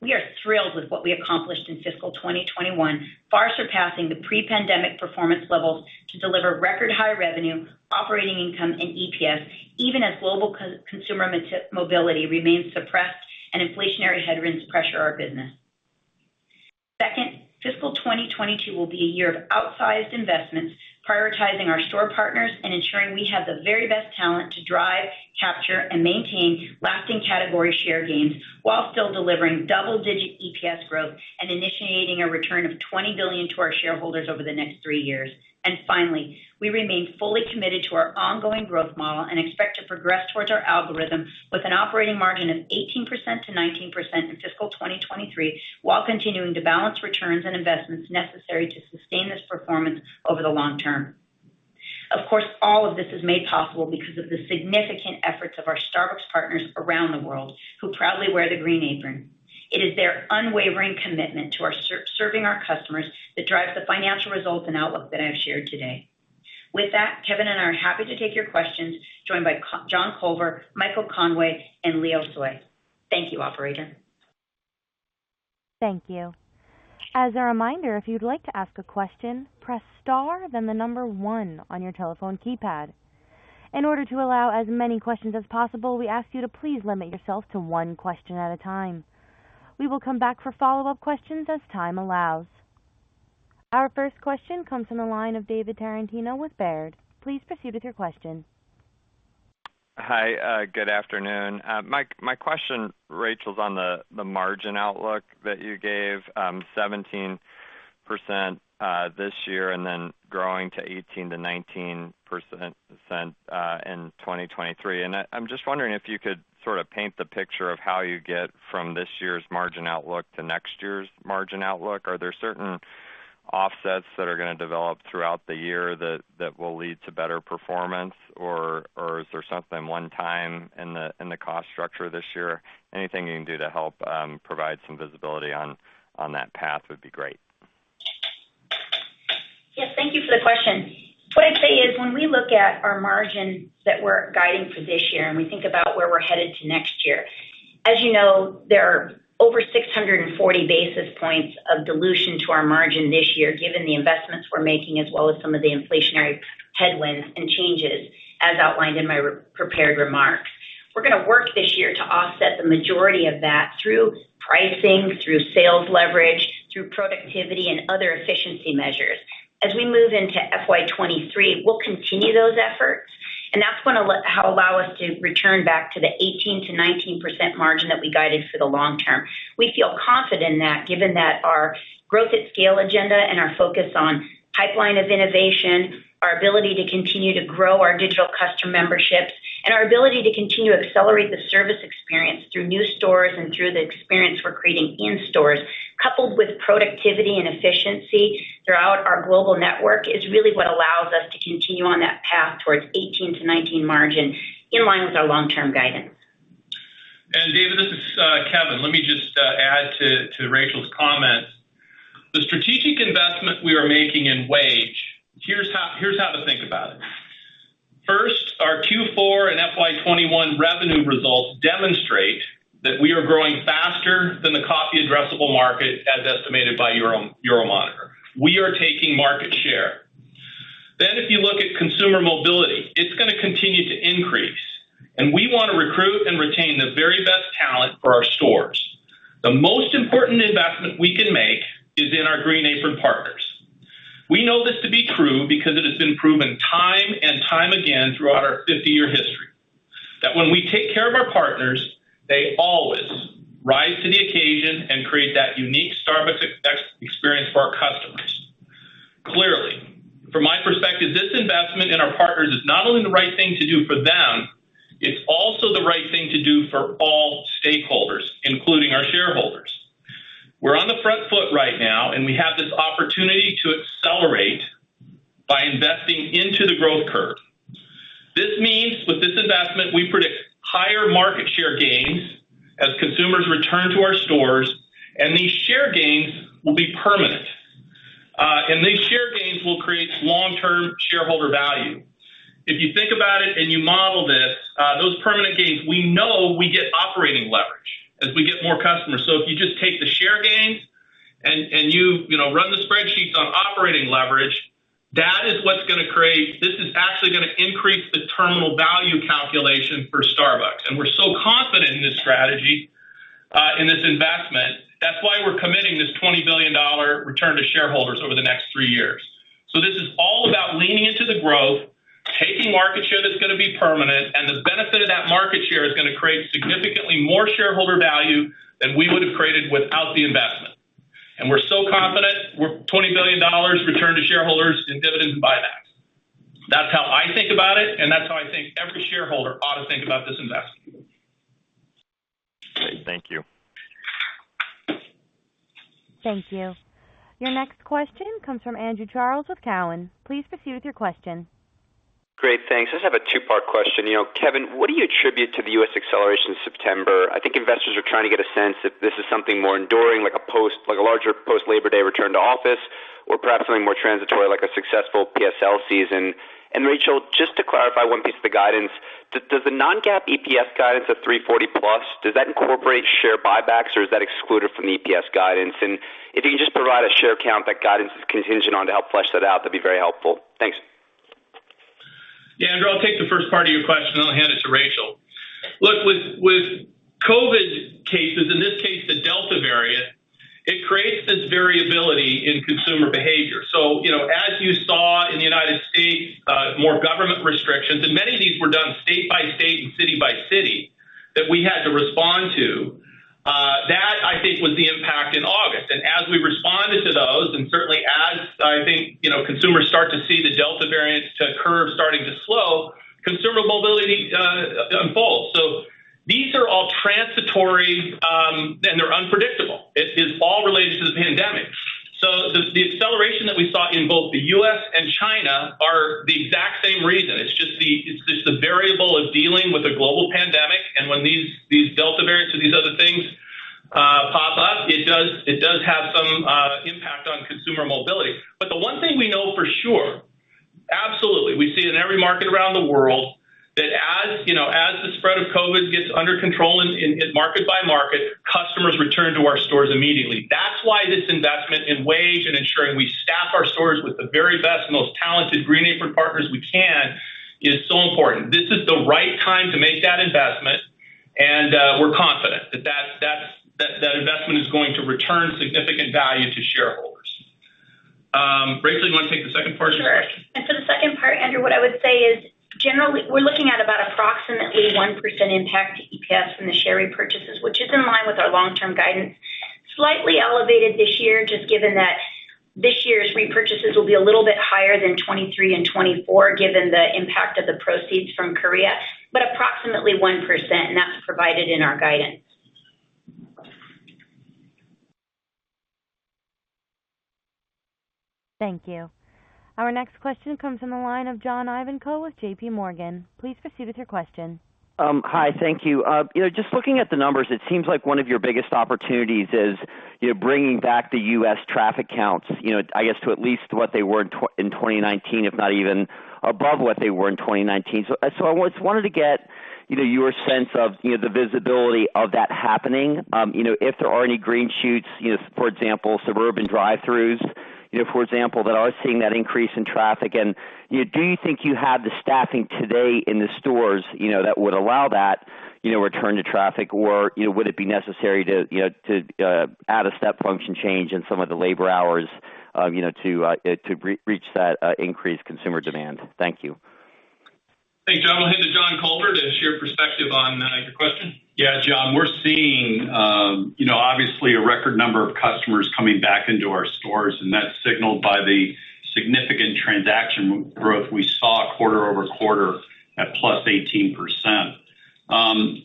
we are thrilled with what we accomplished in fiscal 2021, far surpassing the pre-pandemic performance levels to deliver record high revenue, operating income, and EPS, even as global consumer mobility remains suppressed and inflationary headwinds pressure our business. Second, fiscal 2022 will be a year of outsized investments, prioritizing our store partners and ensuring we have the very best talent to drive, capture, and maintain lasting category share gains while still delivering double-digit EPS growth and initiating a return of $20 billion to our shareholders over the next three years. Finally, we remain fully committed to our ongoing growth model and expect to progress towards our algorithm with an operating margin of 18%-19% in fiscal 2023, while continuing to balance returns and investments necessary to sustain this performance over the long term. Of course, all of this is made possible because of the significant efforts of our Starbucks partners around the world who proudly wear the Green Apron. It is their unwavering commitment to our serving our customers that drives the financial results and outlook that I've shared today. With that, Kevin and I are happy to take your questions, joined by John Culver, Michael Conway, and Leo Tsoi. Thank you, operator. Thank you. As a reminder, if you'd like to ask a question, press Star, then the number 1 on your telephone keypad. In order to allow as many questions as possible, we ask you to please limit yourself to one question at a time. We will come back for follow-up questions as time allows. Our first question comes from the line of David Tarantino with Baird. Please proceed with your question. Hi, good afternoon. My question, Rachel, is on the margin outlook that you gave, 17% this year and then growing to 18%-19% in 2023. I'm just wondering if you could sort of paint the picture of how you get from this year's margin outlook to next year's margin outlook. Are there certain offsets that are gonna develop throughout the year that will lead to better performance? Or is there something one time in the cost structure this year? Anything you can do to help provide some visibility on that path would be great. Yes. Thank you for the question. What I'd say is, when we look at our margin that we're guiding for this year, and we think about where we're headed to next year. As you know, there are over 640 basis points of dilution to our margin this year, given the investments we're making, as well as some of the inflationary headwinds and changes, as outlined in my prepared remarks. We're gonna work this year to offset the majority of that through pricing, through sales leverage, through productivity and other efficiency measures. As we move into FY 2023, we'll continue those efforts, and that's gonna allow us to return back to the 18%-19% margin that we guided for the long term. We feel confident in that, given that our growth at scale agenda and our focus on pipeline of innovation, our ability to continue to grow our digital customer memberships, and our ability to continue to accelerate the service experience through new stores and through the experience we're creating in stores, coupled with productivity and efficiency throughout our global network, is really what allows us to continue on that path towards 18%-19% margin in line with our long-term guidance. David, this is Kevin. Let me just add to Rachel's comments. The strategic investment we are making in wages, here's how to think about it. First, our Q4 and FY 2021 revenue results demonstrate that we are growing faster than the coffee addressable market, as estimated by Euromonitor. We are taking market share. If you look at consumer mobility, it's gonna continue to increase, and we wanna recruit and retain the very best talent for our stores. The most important investment we can make is in our Green Apron partners. We know this to be true because it has been proven time and time again throughout our 50-year history that when we take care of our partners, they always rise to the occasion and create that unique Starbucks experience for our customers. Clearly, from my perspective, this investment in our partners is not only the right thing to do for them, it's also the right thing to do for all stakeholders, including our shareholders. We're on the front foot right now, and we have this opportunity to accelerate by investing into the growth curve. This means with this investment, we predict higher market share gains as consumers return to our stores, and these share gains will be permanent. These share gains will create long-term shareholder value. If you think about it, more customers. If you just take the share gains and you know run the spreadsheets on operating leverage, that is what's gonna create. This is actually gonna increase the terminal value calculation for Starbucks. We're so confident in this strategy, in this investment, that's why we're committing this $20 billion return to shareholders over the next three years. This is all about leaning into the growth, taking market share that's gonna be permanent, and the benefit of that market share is gonna create significantly more shareholder value than we would have created without the investment. We're so confident, we're $20 billion return to shareholders in dividends and buybacks. That's how I think about it, and that's how I think every shareholder ought to think about this investment. Great. Thank you. Thank you. Your next question comes from Andrew Charles with Cowen. Please proceed with your question. Great. Thanks. I just have a two-part question. You know, Kevin, what do you attribute to the U.S. acceleration in September? I think investors are trying to get a sense if this is something more enduring, like a larger post-Labor Day return to office or perhaps something more transitory like a successful PSL season. Rachel, just to clarify one piece of the guidance, does the non-GAAP EPS guidance of $3.40+, does that incorporate share buybacks, or is that excluded from the EPS guidance? And if you can just provide a share count that guidance is contingent on to help flesh that out, that'd be very helpful. Thanks. Yeah, Andrew, I'll take the first part of your question, then I'll hand it to Rachel. Look, with COVID cases, in this case, the Delta variant, it creates this variability in consumer behavior. You know, as you saw in the United States, more government restrictions, and many of these were done state by state and city by city, that we had to respond to, that I think was the impact in August. As we responded to those, and certainly as I think, you know, consumers start to see the Delta variant curve starting to slow, consumer mobility unfolds. These are all transitory, and they're unpredictable. It is all related to the pandemic. The acceleration that we saw in both the U.S. and China are the exact same reason. It's just the variable of dealing with a global pandemic. When these Delta variants or these other things pop up, it does have some impact on consumer mobility. The one thing we know for sure, absolutely, we see it in every market around the world, that as you know, as the spread of COVID gets under control in market by market, customers return to our stores immediately. That's why this investment in wage and ensuring we staff our stores with the very best, most talented Green Apron partners we can is so important. This is the right time to make that investment, and we're confident that that investment is going to return significant value to shareholders. Rachel, you wanna take the second part of your question? Sure. For the second part, Andrew, what I would say is, generally, we're looking at about approximately 1% impact to EPS from the share repurchases, which is in line with our long-term guidance. Slightly elevated this year, just given that this year's repurchases will be a little bit higher than 2023 and 2024, given the impact of the proceeds from Korea. Approximately 1%, and that's provided in our guidance. Thank you. Our next question comes from the line of John Ivankoe with JP Morgan. Please proceed with your question. Hi. Thank you. You know, just looking at the numbers, it seems like one of your biggest opportunities is, you know, bringing back the U.S. traffic counts, you know, I guess to at least what they were in 2019, if not even above what they were in 2019. I just wanted to get, you know, your sense of, you know, the visibility of that happening, you know, if there are any green shoots, you know, for example, suburban drive-throughs, you know, for example, that are seeing that increase in traffic. You know, do you think you have the staffing today in the stores, you know, that would allow that, you know, return to traffic, or, you know, would it be necessary to, you know, to add a step function change in some of the labor hours, you know, to reach that increased consumer demand? Thank you. Thanks, John. I'll hand it to John Culver to share his perspective on your question. Yeah, John. We're seeing, you know, obviously a record number of customers coming back into our stores, and that's signaled by the significant transaction growth we saw quarter-over-quarter at +18%.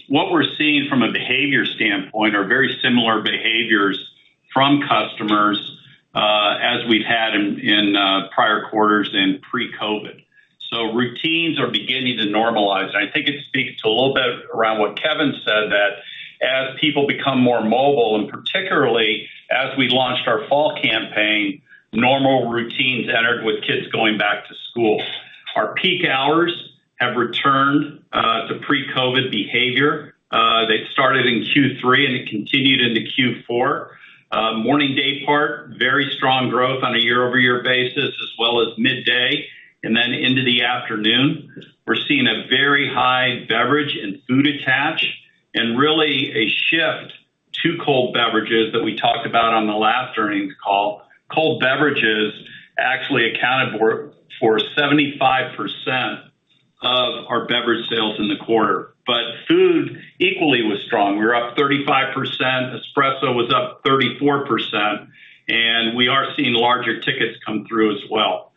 What we're seeing from a behavior standpoint are very similar behaviors from customers, as we've had in prior quarters in pre-COVID. Routines are beginning to normalize. I think it speaks to a little bit around what Kevin said, that as people become more mobile, and particularly as we launched our fall campaign, normal routines entered with kids going back to school. Our peak hours have returned to pre-COVID behavior. They started in Q3, and it continued into Q4. Morning day part, very strong growth on a year-over-year basis, as well as midday and then into the afternoon. We're seeing a very high beverage and food attach and really a shift to cold beverages that we talked about on the last earnings call. Cold beverages actually accounted for 75% our beverage sales in the quarter. Food equally was strong. We were up 35%. Espresso was up 34%, and we are seeing larger tickets come through as well.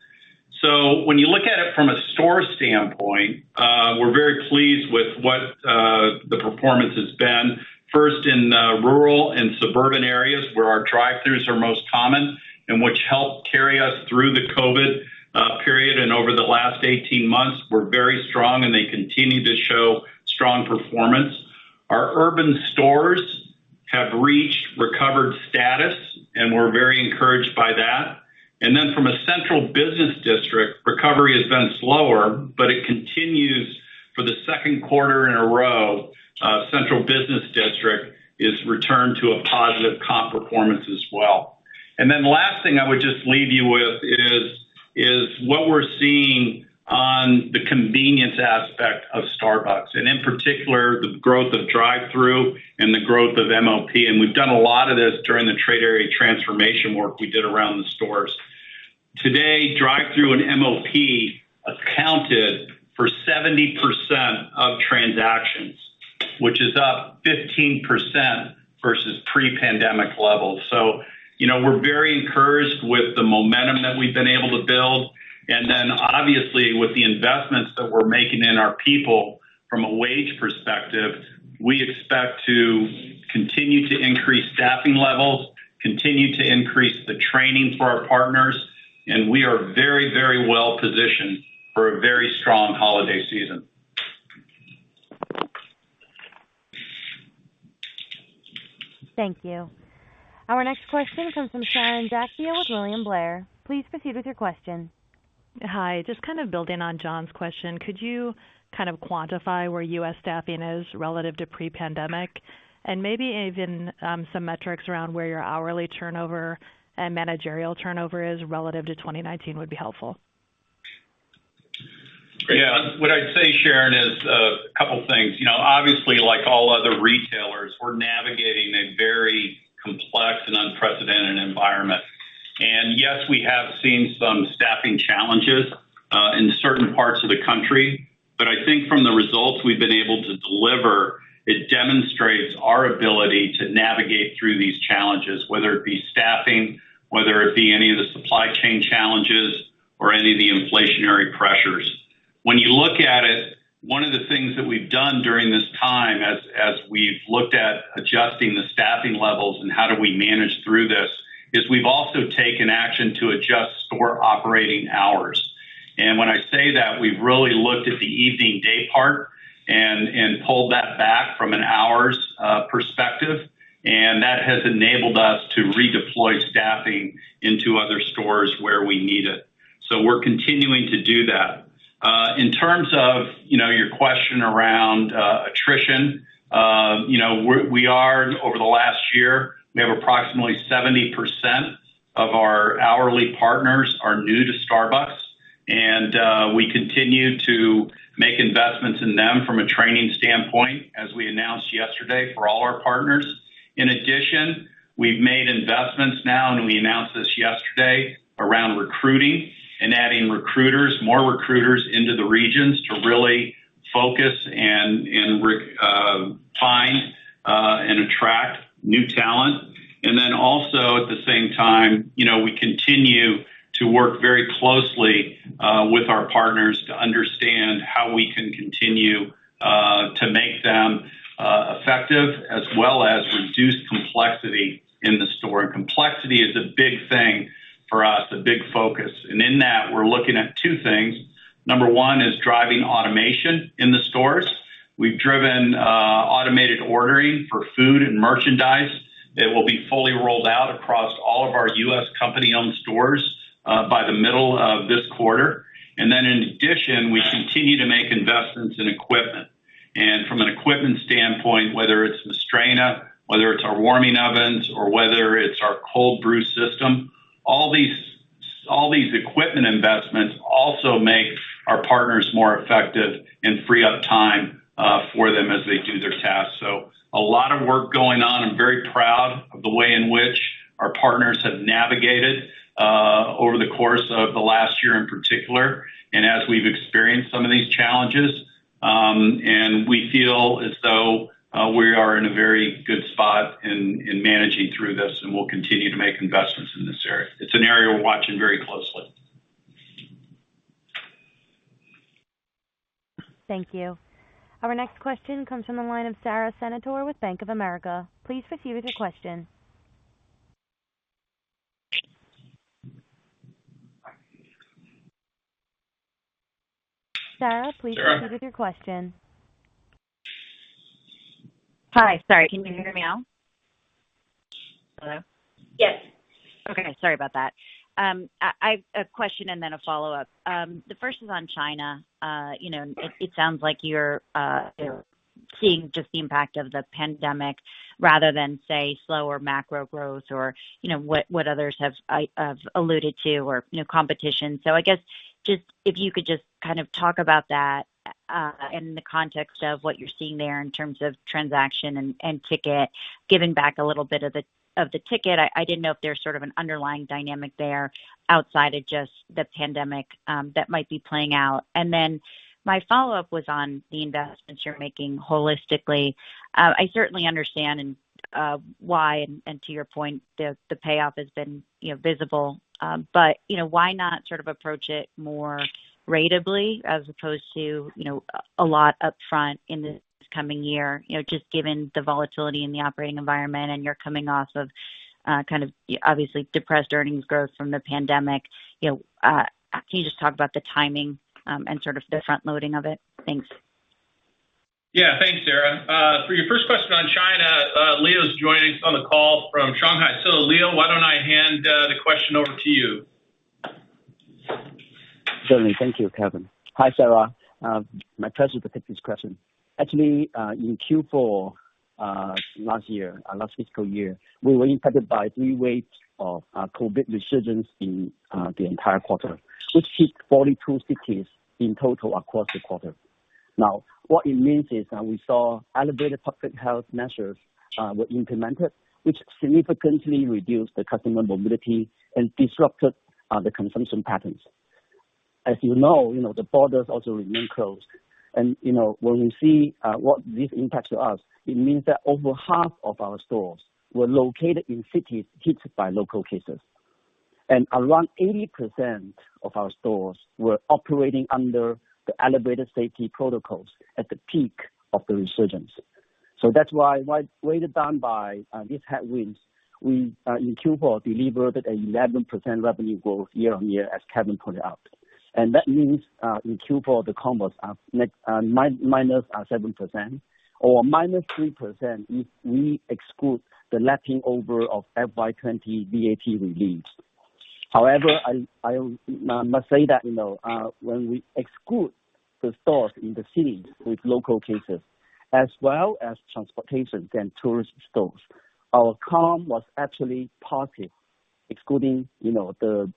When you look at it from a store standpoint, we're very pleased with what the performance has been, first in rural and suburban areas where our drive-throughs are most common and which helped carry us through the COVID period and over the last 18 months were very strong, and they continue to show strong performance. Our urban stores have reached recovered status, and we're very encouraged by that. Then from a central business district, recovery has been slower, but it continues for the Q2 in a row. Central business district is returned to a positive comp performance as well. Then last thing I would just leave you with is what we're seeing on the convenience aspect of Starbucks, and in particular, the growth of drive-through and the growth of MOP. We've done a lot of this during the trade area transformation work we did around the stores. Today, drive-through and MOP accounted for 70% of transactions, which is up 15% versus pre-pandemic levels. You know, we're very encouraged with the momentum that we've been able to build. Obviously, with the investments that we're making in our people from a wage perspective, we expect to continue to increase staffing levels, continue to increase the training for our partners. We are very, very well positioned for a very strong holiday season. Thank you. Our next question comes from Sharon Zackfia with William Blair. Please proceed with your question. Hi. Just kind of building on John's question, could you kind of quantify where U.S. staffing is relative to pre-pandemic? Maybe even some metrics around where your hourly turnover and managerial turnover is relative to 2019 would be helpful. Yeah. What I'd say, Sharon, is a couple of things. You know, obviously, like all other retailers, we're navigating a very complex and unprecedented environment. Yes, we have seen some staffing challenges in certain parts of the country. I think from the results we've been able to deliver, it demonstrates our ability to navigate through these challenges, whether it be staffing, whether it be any of the supply chain challenges or any of the inflationary pressures. When you look at it, one of the things that we've done during this time as we've looked at adjusting the staffing levels and how do we manage through this, is we've also taken action to adjust store operating hours. When I say that, we've really looked at the evening day part and pulled that back from an hours perspective. That has enabled us to redeploy staffing into other stores where we need it. We're continuing to do that. In terms of, you know, your question around attrition, you know, we are, over the last year, we have approximately 70% of our hourly partners are new to Starbucks. We continue to make investments in them from a training standpoint, as we announced yesterday for all our partners. In addition, we've made investments now, and we announced this yesterday around recruiting and adding recruiters, more recruiters into the regions to really focus and find and attract new talent. At the same time, you know, we continue to work very closely with our partners to understand how we can continue to make them effective as well as reduce complexity in the store. Complexity is a big thing for us, a big focus. In that, we're looking at two things. Number one is driving automation in the stores. We've driven automated ordering for food and merchandise that will be fully rolled out across all of our U.S. company-owned stores by the middle of this quarter. In addition, we continue to make investments in equipment. From an equipment standpoint, whether it's the Siren, whether it's our warming ovens, or whether it's our cold brew system, all these equipment investments also make our partners more effective and free up time for them as they do their tasks. A lot of work going on. I'm very proud of the way in which our partners have navigated over the course of the last year in particular, and as we've experienced some of these challenges. We feel as though we are in a very good spot in managing through this, and we'll continue to make investments in this area. It's an area we're watching very closely. Thank you. Our next question comes from the line of Sara Senatore with Bank of America. Please proceed with your question. Sara, please proceed with your question. Hi. Sorry. Can you hear me now? Hello. Yes. Okay, sorry about that. I have a question and then a follow-up. The first is on China. You know, it sounds like you're seeing just the impact of the pandemic rather than, say, slower macro growth or, you know, what others have alluded to or, you know, competition. So I guess just if you could just kind of talk about that in the context of what you're seeing there in terms of transaction and ticket, giving back a little bit of the ticket. I didn't know if there's sort of an underlying dynamic there outside of just the pandemic that might be playing out. Then my follow-up was on the investments you're making holistically. I certainly understand and why, and to your point, the payoff has been, you know, visible. You know, why not sort of approach it more ratably as opposed to, you know, a lot upfront in this coming year, you know, just given the volatility in the operating environment, and you're coming off of, kind of obviously depressed earnings growth from the pandemic. You know, can you just talk about the timing, and sort of the front loading of it? Thanks. Yeah. Thanks, Sara. For your first question on China, Leo's joining us on the call from Shanghai. Leo, why don't I hand the question over to you? Certainly. Thank you, Kevin. Hi, Sara. My pleasure to take this question. Actually, in Q4 last year, last fiscal year, we were impacted by three waves of COVID resurgence in the entire quarter, which hit 42 cities in total across the quarter. Now, what it means is that we saw elevated public health measures were implemented, which significantly reduced the customer mobility and disrupted the consumption patterns. As you know, you know, the borders also remain closed. You know, when we see what this impacts to us, it means that over half of our stores were located in cities hit by local cases. Around 80% of our stores were operating under the elevated safety protocols at the peak of the resurgence. That's why weighed down by these headwinds, we in Q4 delivered an 11% revenue growth year-over-year, as Kevin pointed out. That means in Q4 the comps are minus 7% or minus 3% if we exclude the lapping over of FY 2020 VAT reliefs. However, I must say that, you know, when we exclude the stores in the cities with local cases as well as transportation and tourist stores, our comp was actually positive excluding, you know, the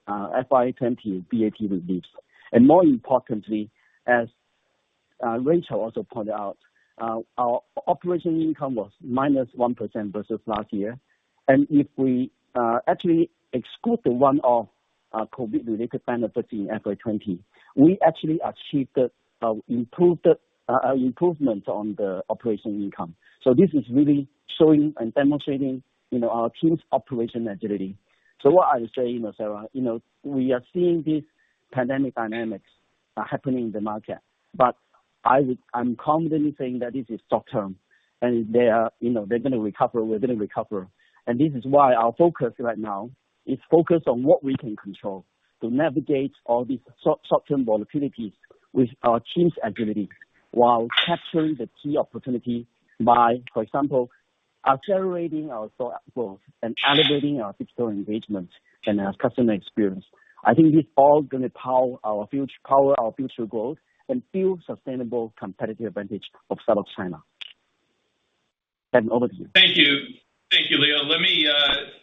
FY 2020 VAT reliefs. More importantly, as Rachel also pointed out, our operating income was minus 1% versus last year. If we actually exclude the one-off COVID-related benefits in FY 2020, we actually achieved improvement on the operating income. This is really showing and demonstrating, you know, our team's operational agility. What I would say, you know, Sara, you know, we are seeing these pandemic dynamics happening in the market, but I'm confidently saying that this is short term and they are, you know, they're gonna recover, we're gonna recover. This is why our focus right now is focused on what we can control to navigate all these short-term volatilities with our team's agility while capturing the key opportunity by, for example, accelerating our store growth and elevating our digital engagement and our customer experience. I think this all gonna power our future growth and fuel sustainable competitive advantage of Starbucks China. Kevin, over to you. Thank you. Thank you, Leo. Let me,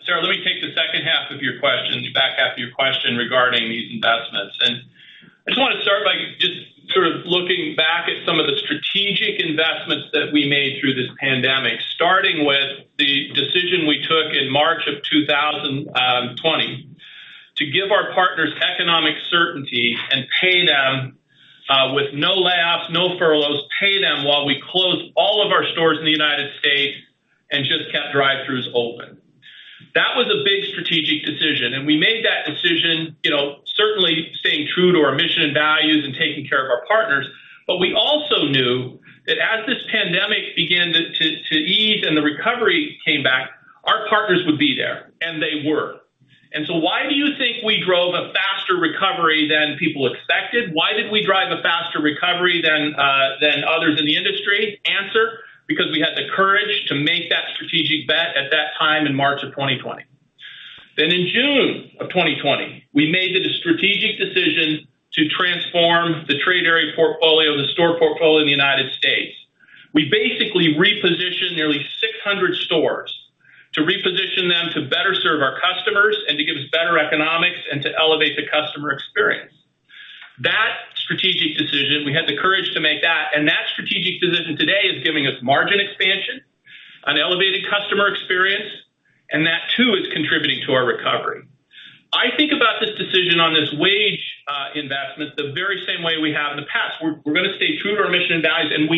Sarah, let me take the second half of your question, the back half of your question regarding these investments. I just wanna start by just sort of looking back at some of the strategic investments that we made through this pandemic. Starting with the decision we took in March of 2020 to give our partners economic certainty and pay them with no layoffs, no furloughs, pay them while we closed all of our stores in the United States and just kept drive-throughs open. That was a big strategic decision, and we made that decision, you know, certainly staying true to our mission and values and taking care of our partners. We also knew that as this pandemic began to ease and the recovery came back, our partners would be there, and they were. Why do you think we drove a faster recovery than people expected? Why did we drive a faster recovery than others in the industry? Answer: because we had the courage to make that strategic bet at that time in March 2020. In June 2020, we made the strategic decision to transform the trade area portfolio, the store portfolio in the United States. We basically repositioned nearly 600 stores to reposition them to better serve our customers and to give us better economics and to elevate the customer experience. That strategic decision, we had the courage to make that, and that strategic decision today is giving us margin expansion, an elevated customer experience, and that too is contributing to our recovery. I think about this decision on this wage investment the very same way we have in the past. We're gonna stay true to our mission and values, and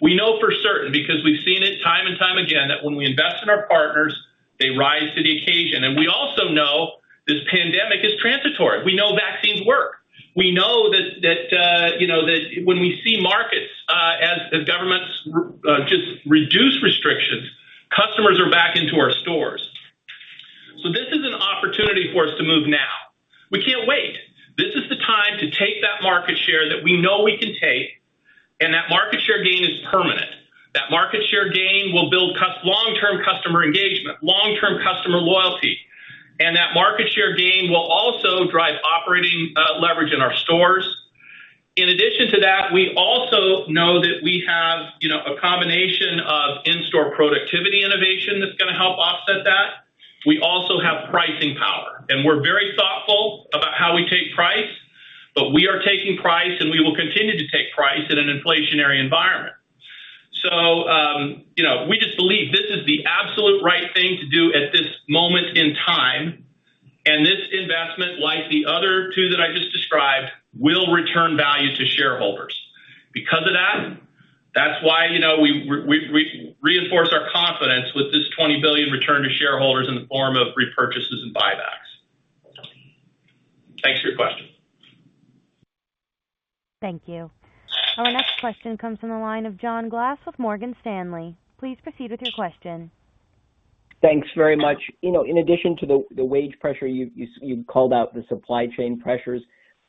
we know for certain, because we've seen it time and time again, that when we invest in our partners, they rise to the occasion. We also know this pandemic is transitory. We know vaccines work. We know that when we see markets as governments just reduce restrictions, customers are back into our stores. This is an opportunity for us to move now. We can't wait. This is the time to take that market share that we know we can take, and that market share gain is permanent. That market share gain will build long-term customer engagement, long-term customer loyalty, and that market share gain will also drive operating leverage in our stores. In addition to that, we also know that we have, you know, a combination of in-store productivity innovation that's gonna help offset that. We also have pricing power, and we're very thoughtful about how we take price, but we are taking price and we will continue to take price in an inflationary environment. You know, we just believe this is the absolute right thing to do at this moment in time, and this investment, like the other two that I just described, will return value to shareholders. Because of that's why, you know, we reinforce our confidence with this $20 billion return to shareholders in the form of repurchases and buybacks. Thanks for your question. Thank you. Our next question comes from the line of John Glass with Morgan Stanley. Please proceed with your question. Thanks very much. You know, in addition to the wage pressure, you've called out the supply chain pressures.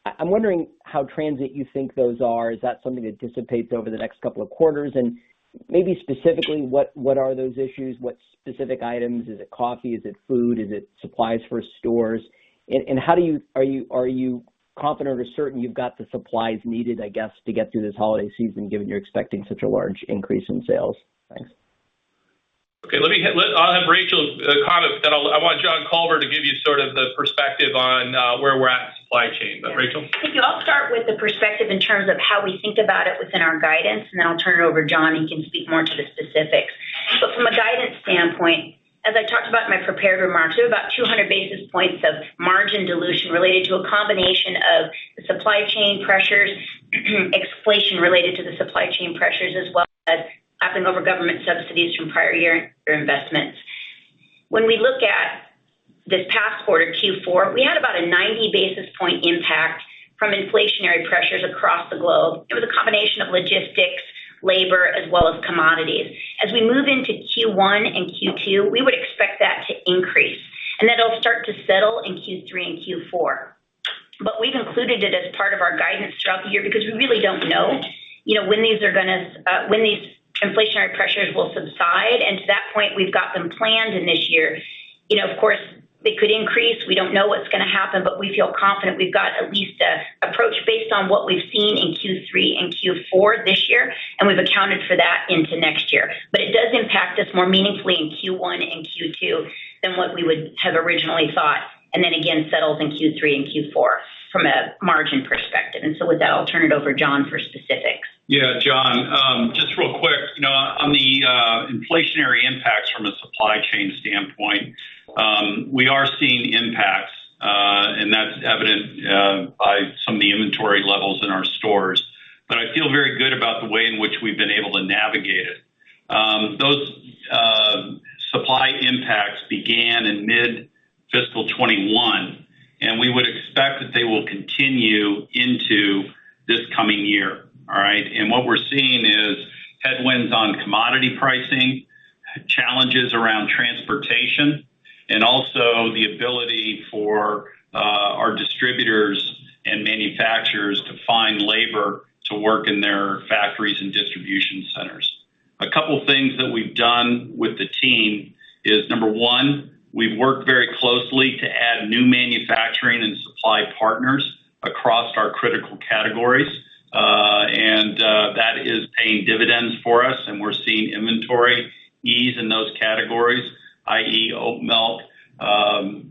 I'm wondering how transient you think those are. Is that something that dissipates over the next couple of quarters? Maybe specifically, what are those issues? What specific items? Is it coffee? Is it food? Is it supplies for stores? Are you confident or certain you've got the supplies needed, I guess, to get through this holiday season, given you're expecting such a large increase in sales? Thanks. I'll have Rachel comment, then I want John Culver to give you sort of the perspective on where we're at in supply chain. Rachel. Thank you. I'll start with the perspective in terms of how we think about it within our guidance, and then I'll turn it over to John, and he can speak more to the specifics. From a guidance standpoint, as I talked about in my prepared remarks, we have about 200 basis points of margin dilution related to a combination of the supply chain pressures, escalation related to the supply chain pressures, as well as lapping over government subsidies from prior year investments. When we look at this past quarter, Q4, we had about a 90 basis point impact from inflationary pressures across the globe. It was a combination of logistics, labor, as well as commodities. As we move into Q1 and Q2, we would expect that to increase, and that'll start to settle in Q3 and Q4. We've included it as part of our guidance throughout the year because we really don't know, you know, when these are gonna, when these inflationary pressures will subside. To that point, we've got them planned in this year. You know, of course, they could increase. We don't know what's gonna happen, but we feel confident we've got at least a approach based on what we've seen in Q3 and Q4 this year, and we've accounted for that into next year. It does impact us more meaningfully in Q1 and Q2 than what we would have originally thought, and then again settles in Q3 and Q4 from a margin perspective. With that, I'll turn it over to John for specifics. Yeah, John, just real quick. You know, on the inflationary impacts from a supply chain standpoint, we are seeing impacts, and that's evident by some of the inventory levels in our stores. But I feel very good about the way in which we've been able to navigate it. Those supply impacts began in mid-fiscal 2021, and we would expect that they will continue into this coming year. All right? What we're seeing is headwinds on commodity pricing, challenges around transportation, and also the ability for our distributors and manufacturers to find labor to work in their factories and distribution centers. A couple things that we've done with the team is, number one, we've worked very closely to add new manufacturing and supply partners across our critical categories. That is paying dividends for us, and we're seeing inventory ease in those categories, i.e., oat milk,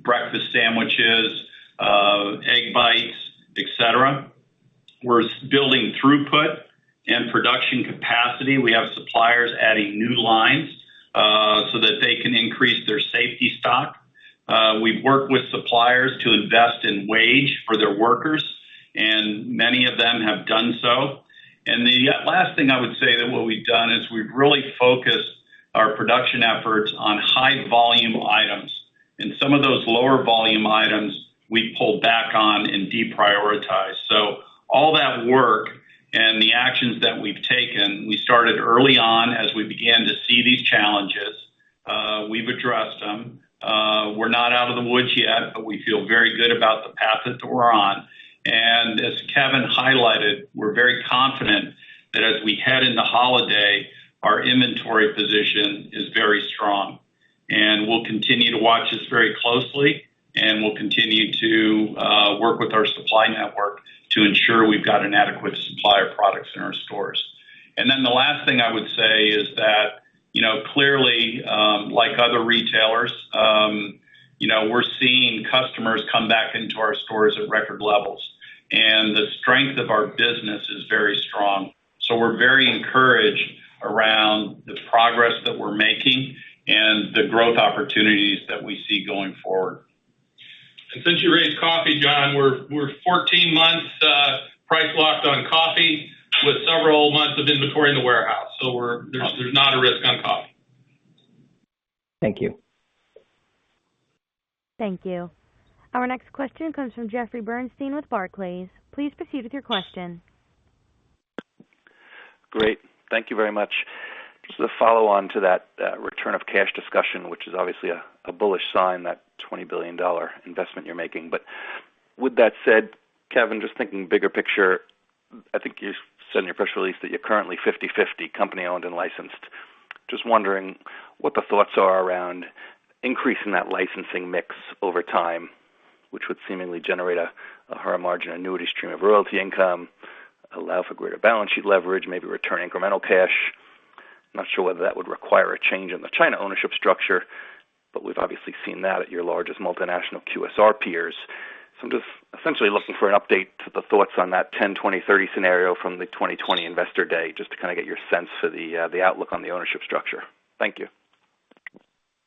breakfast sandwiches, egg bites, et cetera. We're building throughput and production capacity. We have suppliers adding new lines, so that they can increase their safety stock. We've worked with suppliers to invest in wages for their workers, and many of them have done so. The last thing I would say is what we've done: we've really focused our production efforts on high volume items. Some of those lower volume items we pulled back on and deprioritized. All that work and the actions that we've taken, we started early on as we began to see these challenges. We've addressed them. We're not out of the woods yet, but we feel very good about the path that we're on. As Kevin highlighted, we're very confident that as we head into holiday, our inventory position is very strong. We'll continue to watch this very closely, and we'll continue to work with our supply network to ensure we've got an adequate supply of products in our stores. Then the last thing I would say is that, you know, clearly, like other retailers, you know, we're seeing customers come back into our stores at record levels, and the strength of our business is very strong. We're very encouraged around the progress that we're making and the growth opportunities that we see going forward. Since you raised coffee, John, we're 14 months price locked on coffee with several months of inventory in the warehouse. There's not a risk on coffee. Thank you. Thank you. Our next question comes from Jeffrey Bernstein with Barclays. Please proceed with your question. Great. Thank you very much. Just a follow-on to that, return of cash discussion, which is obviously a bullish sign, that $20 billion investment you're making. With that said, Kevin, just thinking bigger picture, I think you said in your press release that you're currently 50/50 company owned and licensed. Just wondering what the thoughts are around increasing that licensing mix over time, which would seemingly generate a higher margin annuity stream of royalty income, allow for greater balance sheet leverage, maybe return incremental cash. I'm not sure whether that would require a change in the China ownership structure, but we've obviously seen that at your largest multinational QSR peers. I'm just essentially looking for an update to the thoughts on that 10/20/30 scenario from the 2020 investor day, just to kinda get your sense for the outlook on the ownership structure. Thank you.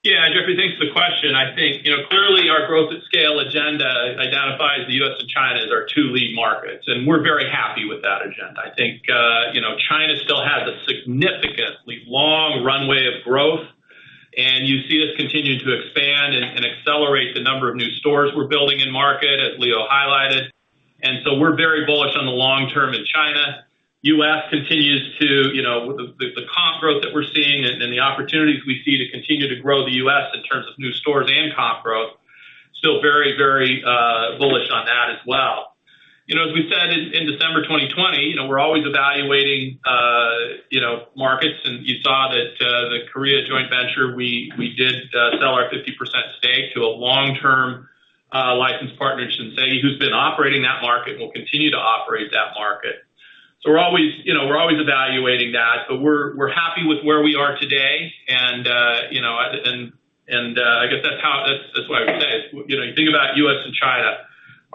Yeah. Jeffrey, thanks for the question. I think clearly our growth at scale agenda identifies the U.S. and China as our two lead markets, and we're very happy with that agenda. I think China still has a significantly long runway of growth, and you see us continue to expand and accelerate the number of new stores we're building in market, as Leo highlighted. We're very bullish on the long term in China. U.S. With the comp growth that we're seeing and the opportunities we see to continue to grow the U.S. in terms of new stores and comp growth, still very bullish on that as well. As we said in December 2020, we're always evaluating markets. You saw that the Korea joint venture, we did sell our 50% stake to a long-term licensed partner in Shinsegae who's been operating that market and will continue to operate that market. We're always, you know, evaluating that, but we're happy with where we are today. You know, I guess that's what I would say is, you know, you think about U.S. and China,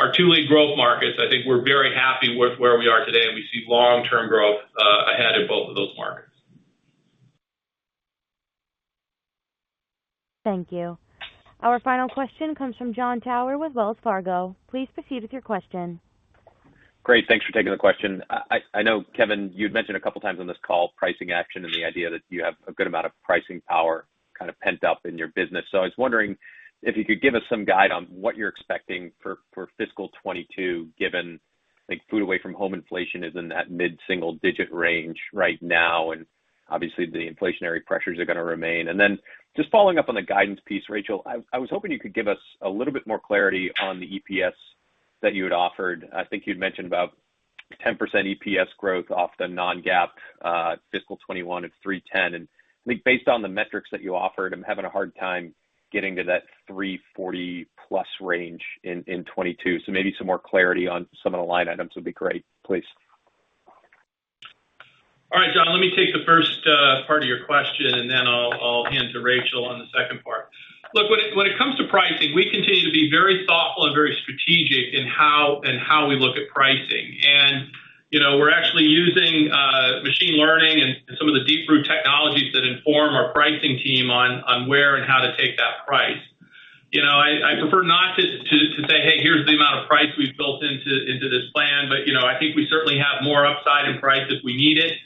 our two lead growth markets, I think we're very happy with where we are today, and we see long-term growth ahead in both of those markets. Thank you. Our final question comes from Jon Tower with Wells Fargo. Please proceed with your question. Great. Thanks for taking the question. I know, Kevin, you'd mentioned a couple times on this call pricing action and the idea that you have a good amount of pricing power kind of pent up in your business. I was wondering if you could give us some guide on what you're expecting for fiscal 2022, given I think food away from home inflation is in that mid-single digit range right now, and obviously the inflationary pressures are gonna remain. Then just following up on the guidance piece, Rachel, I was hoping you could give us a little bit more clarity on the EPS that you had offered. I think you'd mentioned about 10% EPS growth off the non-GAAP fiscal 2021 at $3.10. I think based on the metrics that you offered, I'm having a hard time getting to that $3.40+ range in 2022. Maybe some more clarity on some of the line items would be great, please. All right, John, let me take the first part of your question, and then I'll hand to Rachel on the second part. Look, when it comes to pricing, we continue to be very thoughtful and very strategic in how we look at pricing. You know, we're actually using machine learning and some of the Deep Brew technologies that inform our pricing team on where and how to take that price. You know, I prefer not to say, "Hey, here's the amount of price we've built into this plan." You know, I think we certainly have more upside in price if we need it.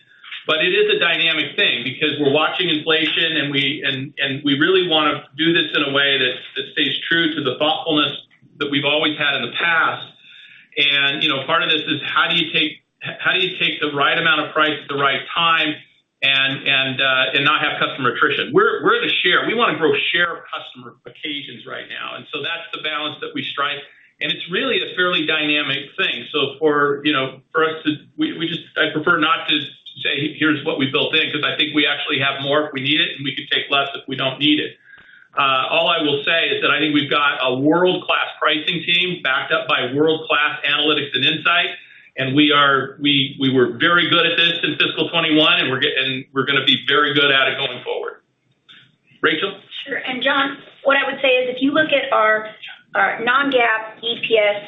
It is a dynamic thing because we're watching inflation, and we really wanna do this in a way that stays true to the thoughtfulness that we've always had in the past. You know, part of this is how do you take the right amount of price at the right time and not have customer attrition? We want the share. We wanna grow share of customer occasions right now. That's the balance that we strike. It's really a fairly dynamic thing. I prefer not to say, "Here's what we built in," 'cause I think we actually have more if we need it, and we could take less if we don't need it. All I will say is that I think we've got a world-class pricing team backed up by world-class analytics and insight, and we were very good at this in fiscal 2021, and we're gonna be very good at it going forward. Rachel? Sure. John, what I would say is if you look at our non-GAAP EPS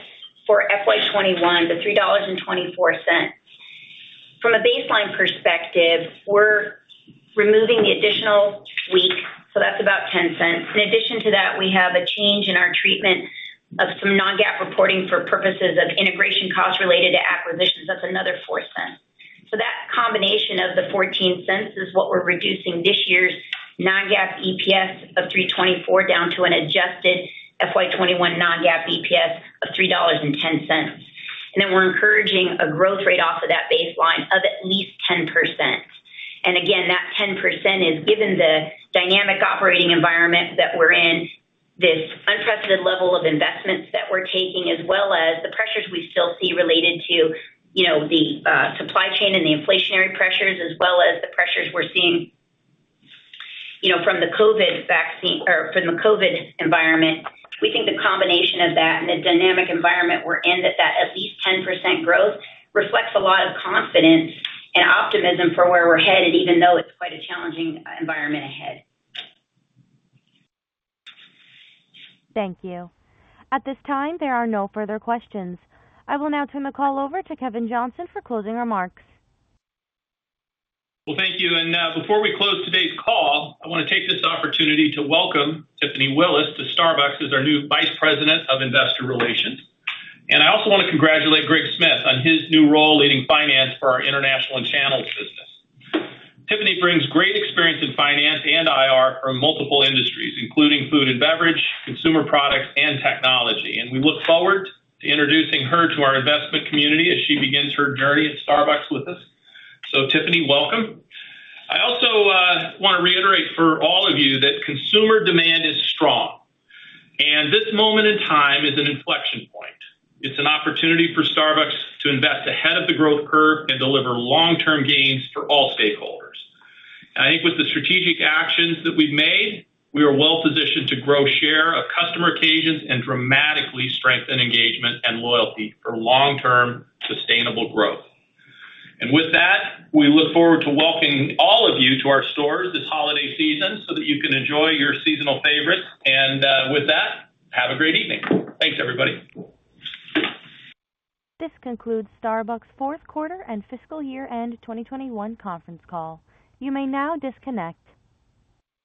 for FY 2021, the $3.24, from a baseline perspective, we're removing the additional week, so that's about $0.10. In addition to that, we have a change in our treatment of some non-GAAP reporting for purposes of integration costs related to acquisitions. That's another $0.04. That combination of the $0.14 is what we're reducing this year's non-GAAP EPS of $3.24 down to an adjusted FY 2021 non-GAAP EPS of $3.10. We're encouraging a growth rate off of that baseline of at least 10%. Again, that 10% is given the dynamic operating environment that we're in, this unprecedented level of investments that we're taking, as well as the pressures we still see related to, you know, the supply chain and the inflationary pressures as well as the pressures we're seeing, you know, from the COVID vaccine or from the COVID environment. We think the combination of that and the dynamic environment we're in, that at least 10% growth reflects a lot of confidence and optimism for where we're headed, even though it's quite a challenging environment ahead. Thank you. At this time, there are no further questions. I will now turn the call over to Kevin Johnson for closing remarks. Well, thank you. Before we close today's call, I wanna take this opportunity to welcome Tiffany Willis to Starbucks as our new Vice President of Investor Relations. I also wanna congratulate Greg Smith on his new role leading finance for our international and channels business. Tiffany brings great experience in finance and IR from multiple industries, including food and beverage, consumer products, and technology. We look forward to introducing her to our investment community as she begins her journey at Starbucks with us. Tiffany, welcome. I also wanna reiterate for all of you that consumer demand is strong, and this moment in time is an inflection point. It's an opportunity for Starbucks to invest ahead of the growth curve and deliver long-term gains for all stakeholders. I think with the strategic actions that we've made, we are well-positioned to grow share of customer occasions and dramatically strengthen engagement and loyalty for long-term sustainable growth. With that, we look forward to welcoming all of you to our stores this holiday season so that you can enjoy your seasonal favorites. With that, have a great evening. Thanks, everybody. This concludes Starbucks' Q4 and fiscal year-end 2021 conference call. You may now disconnect.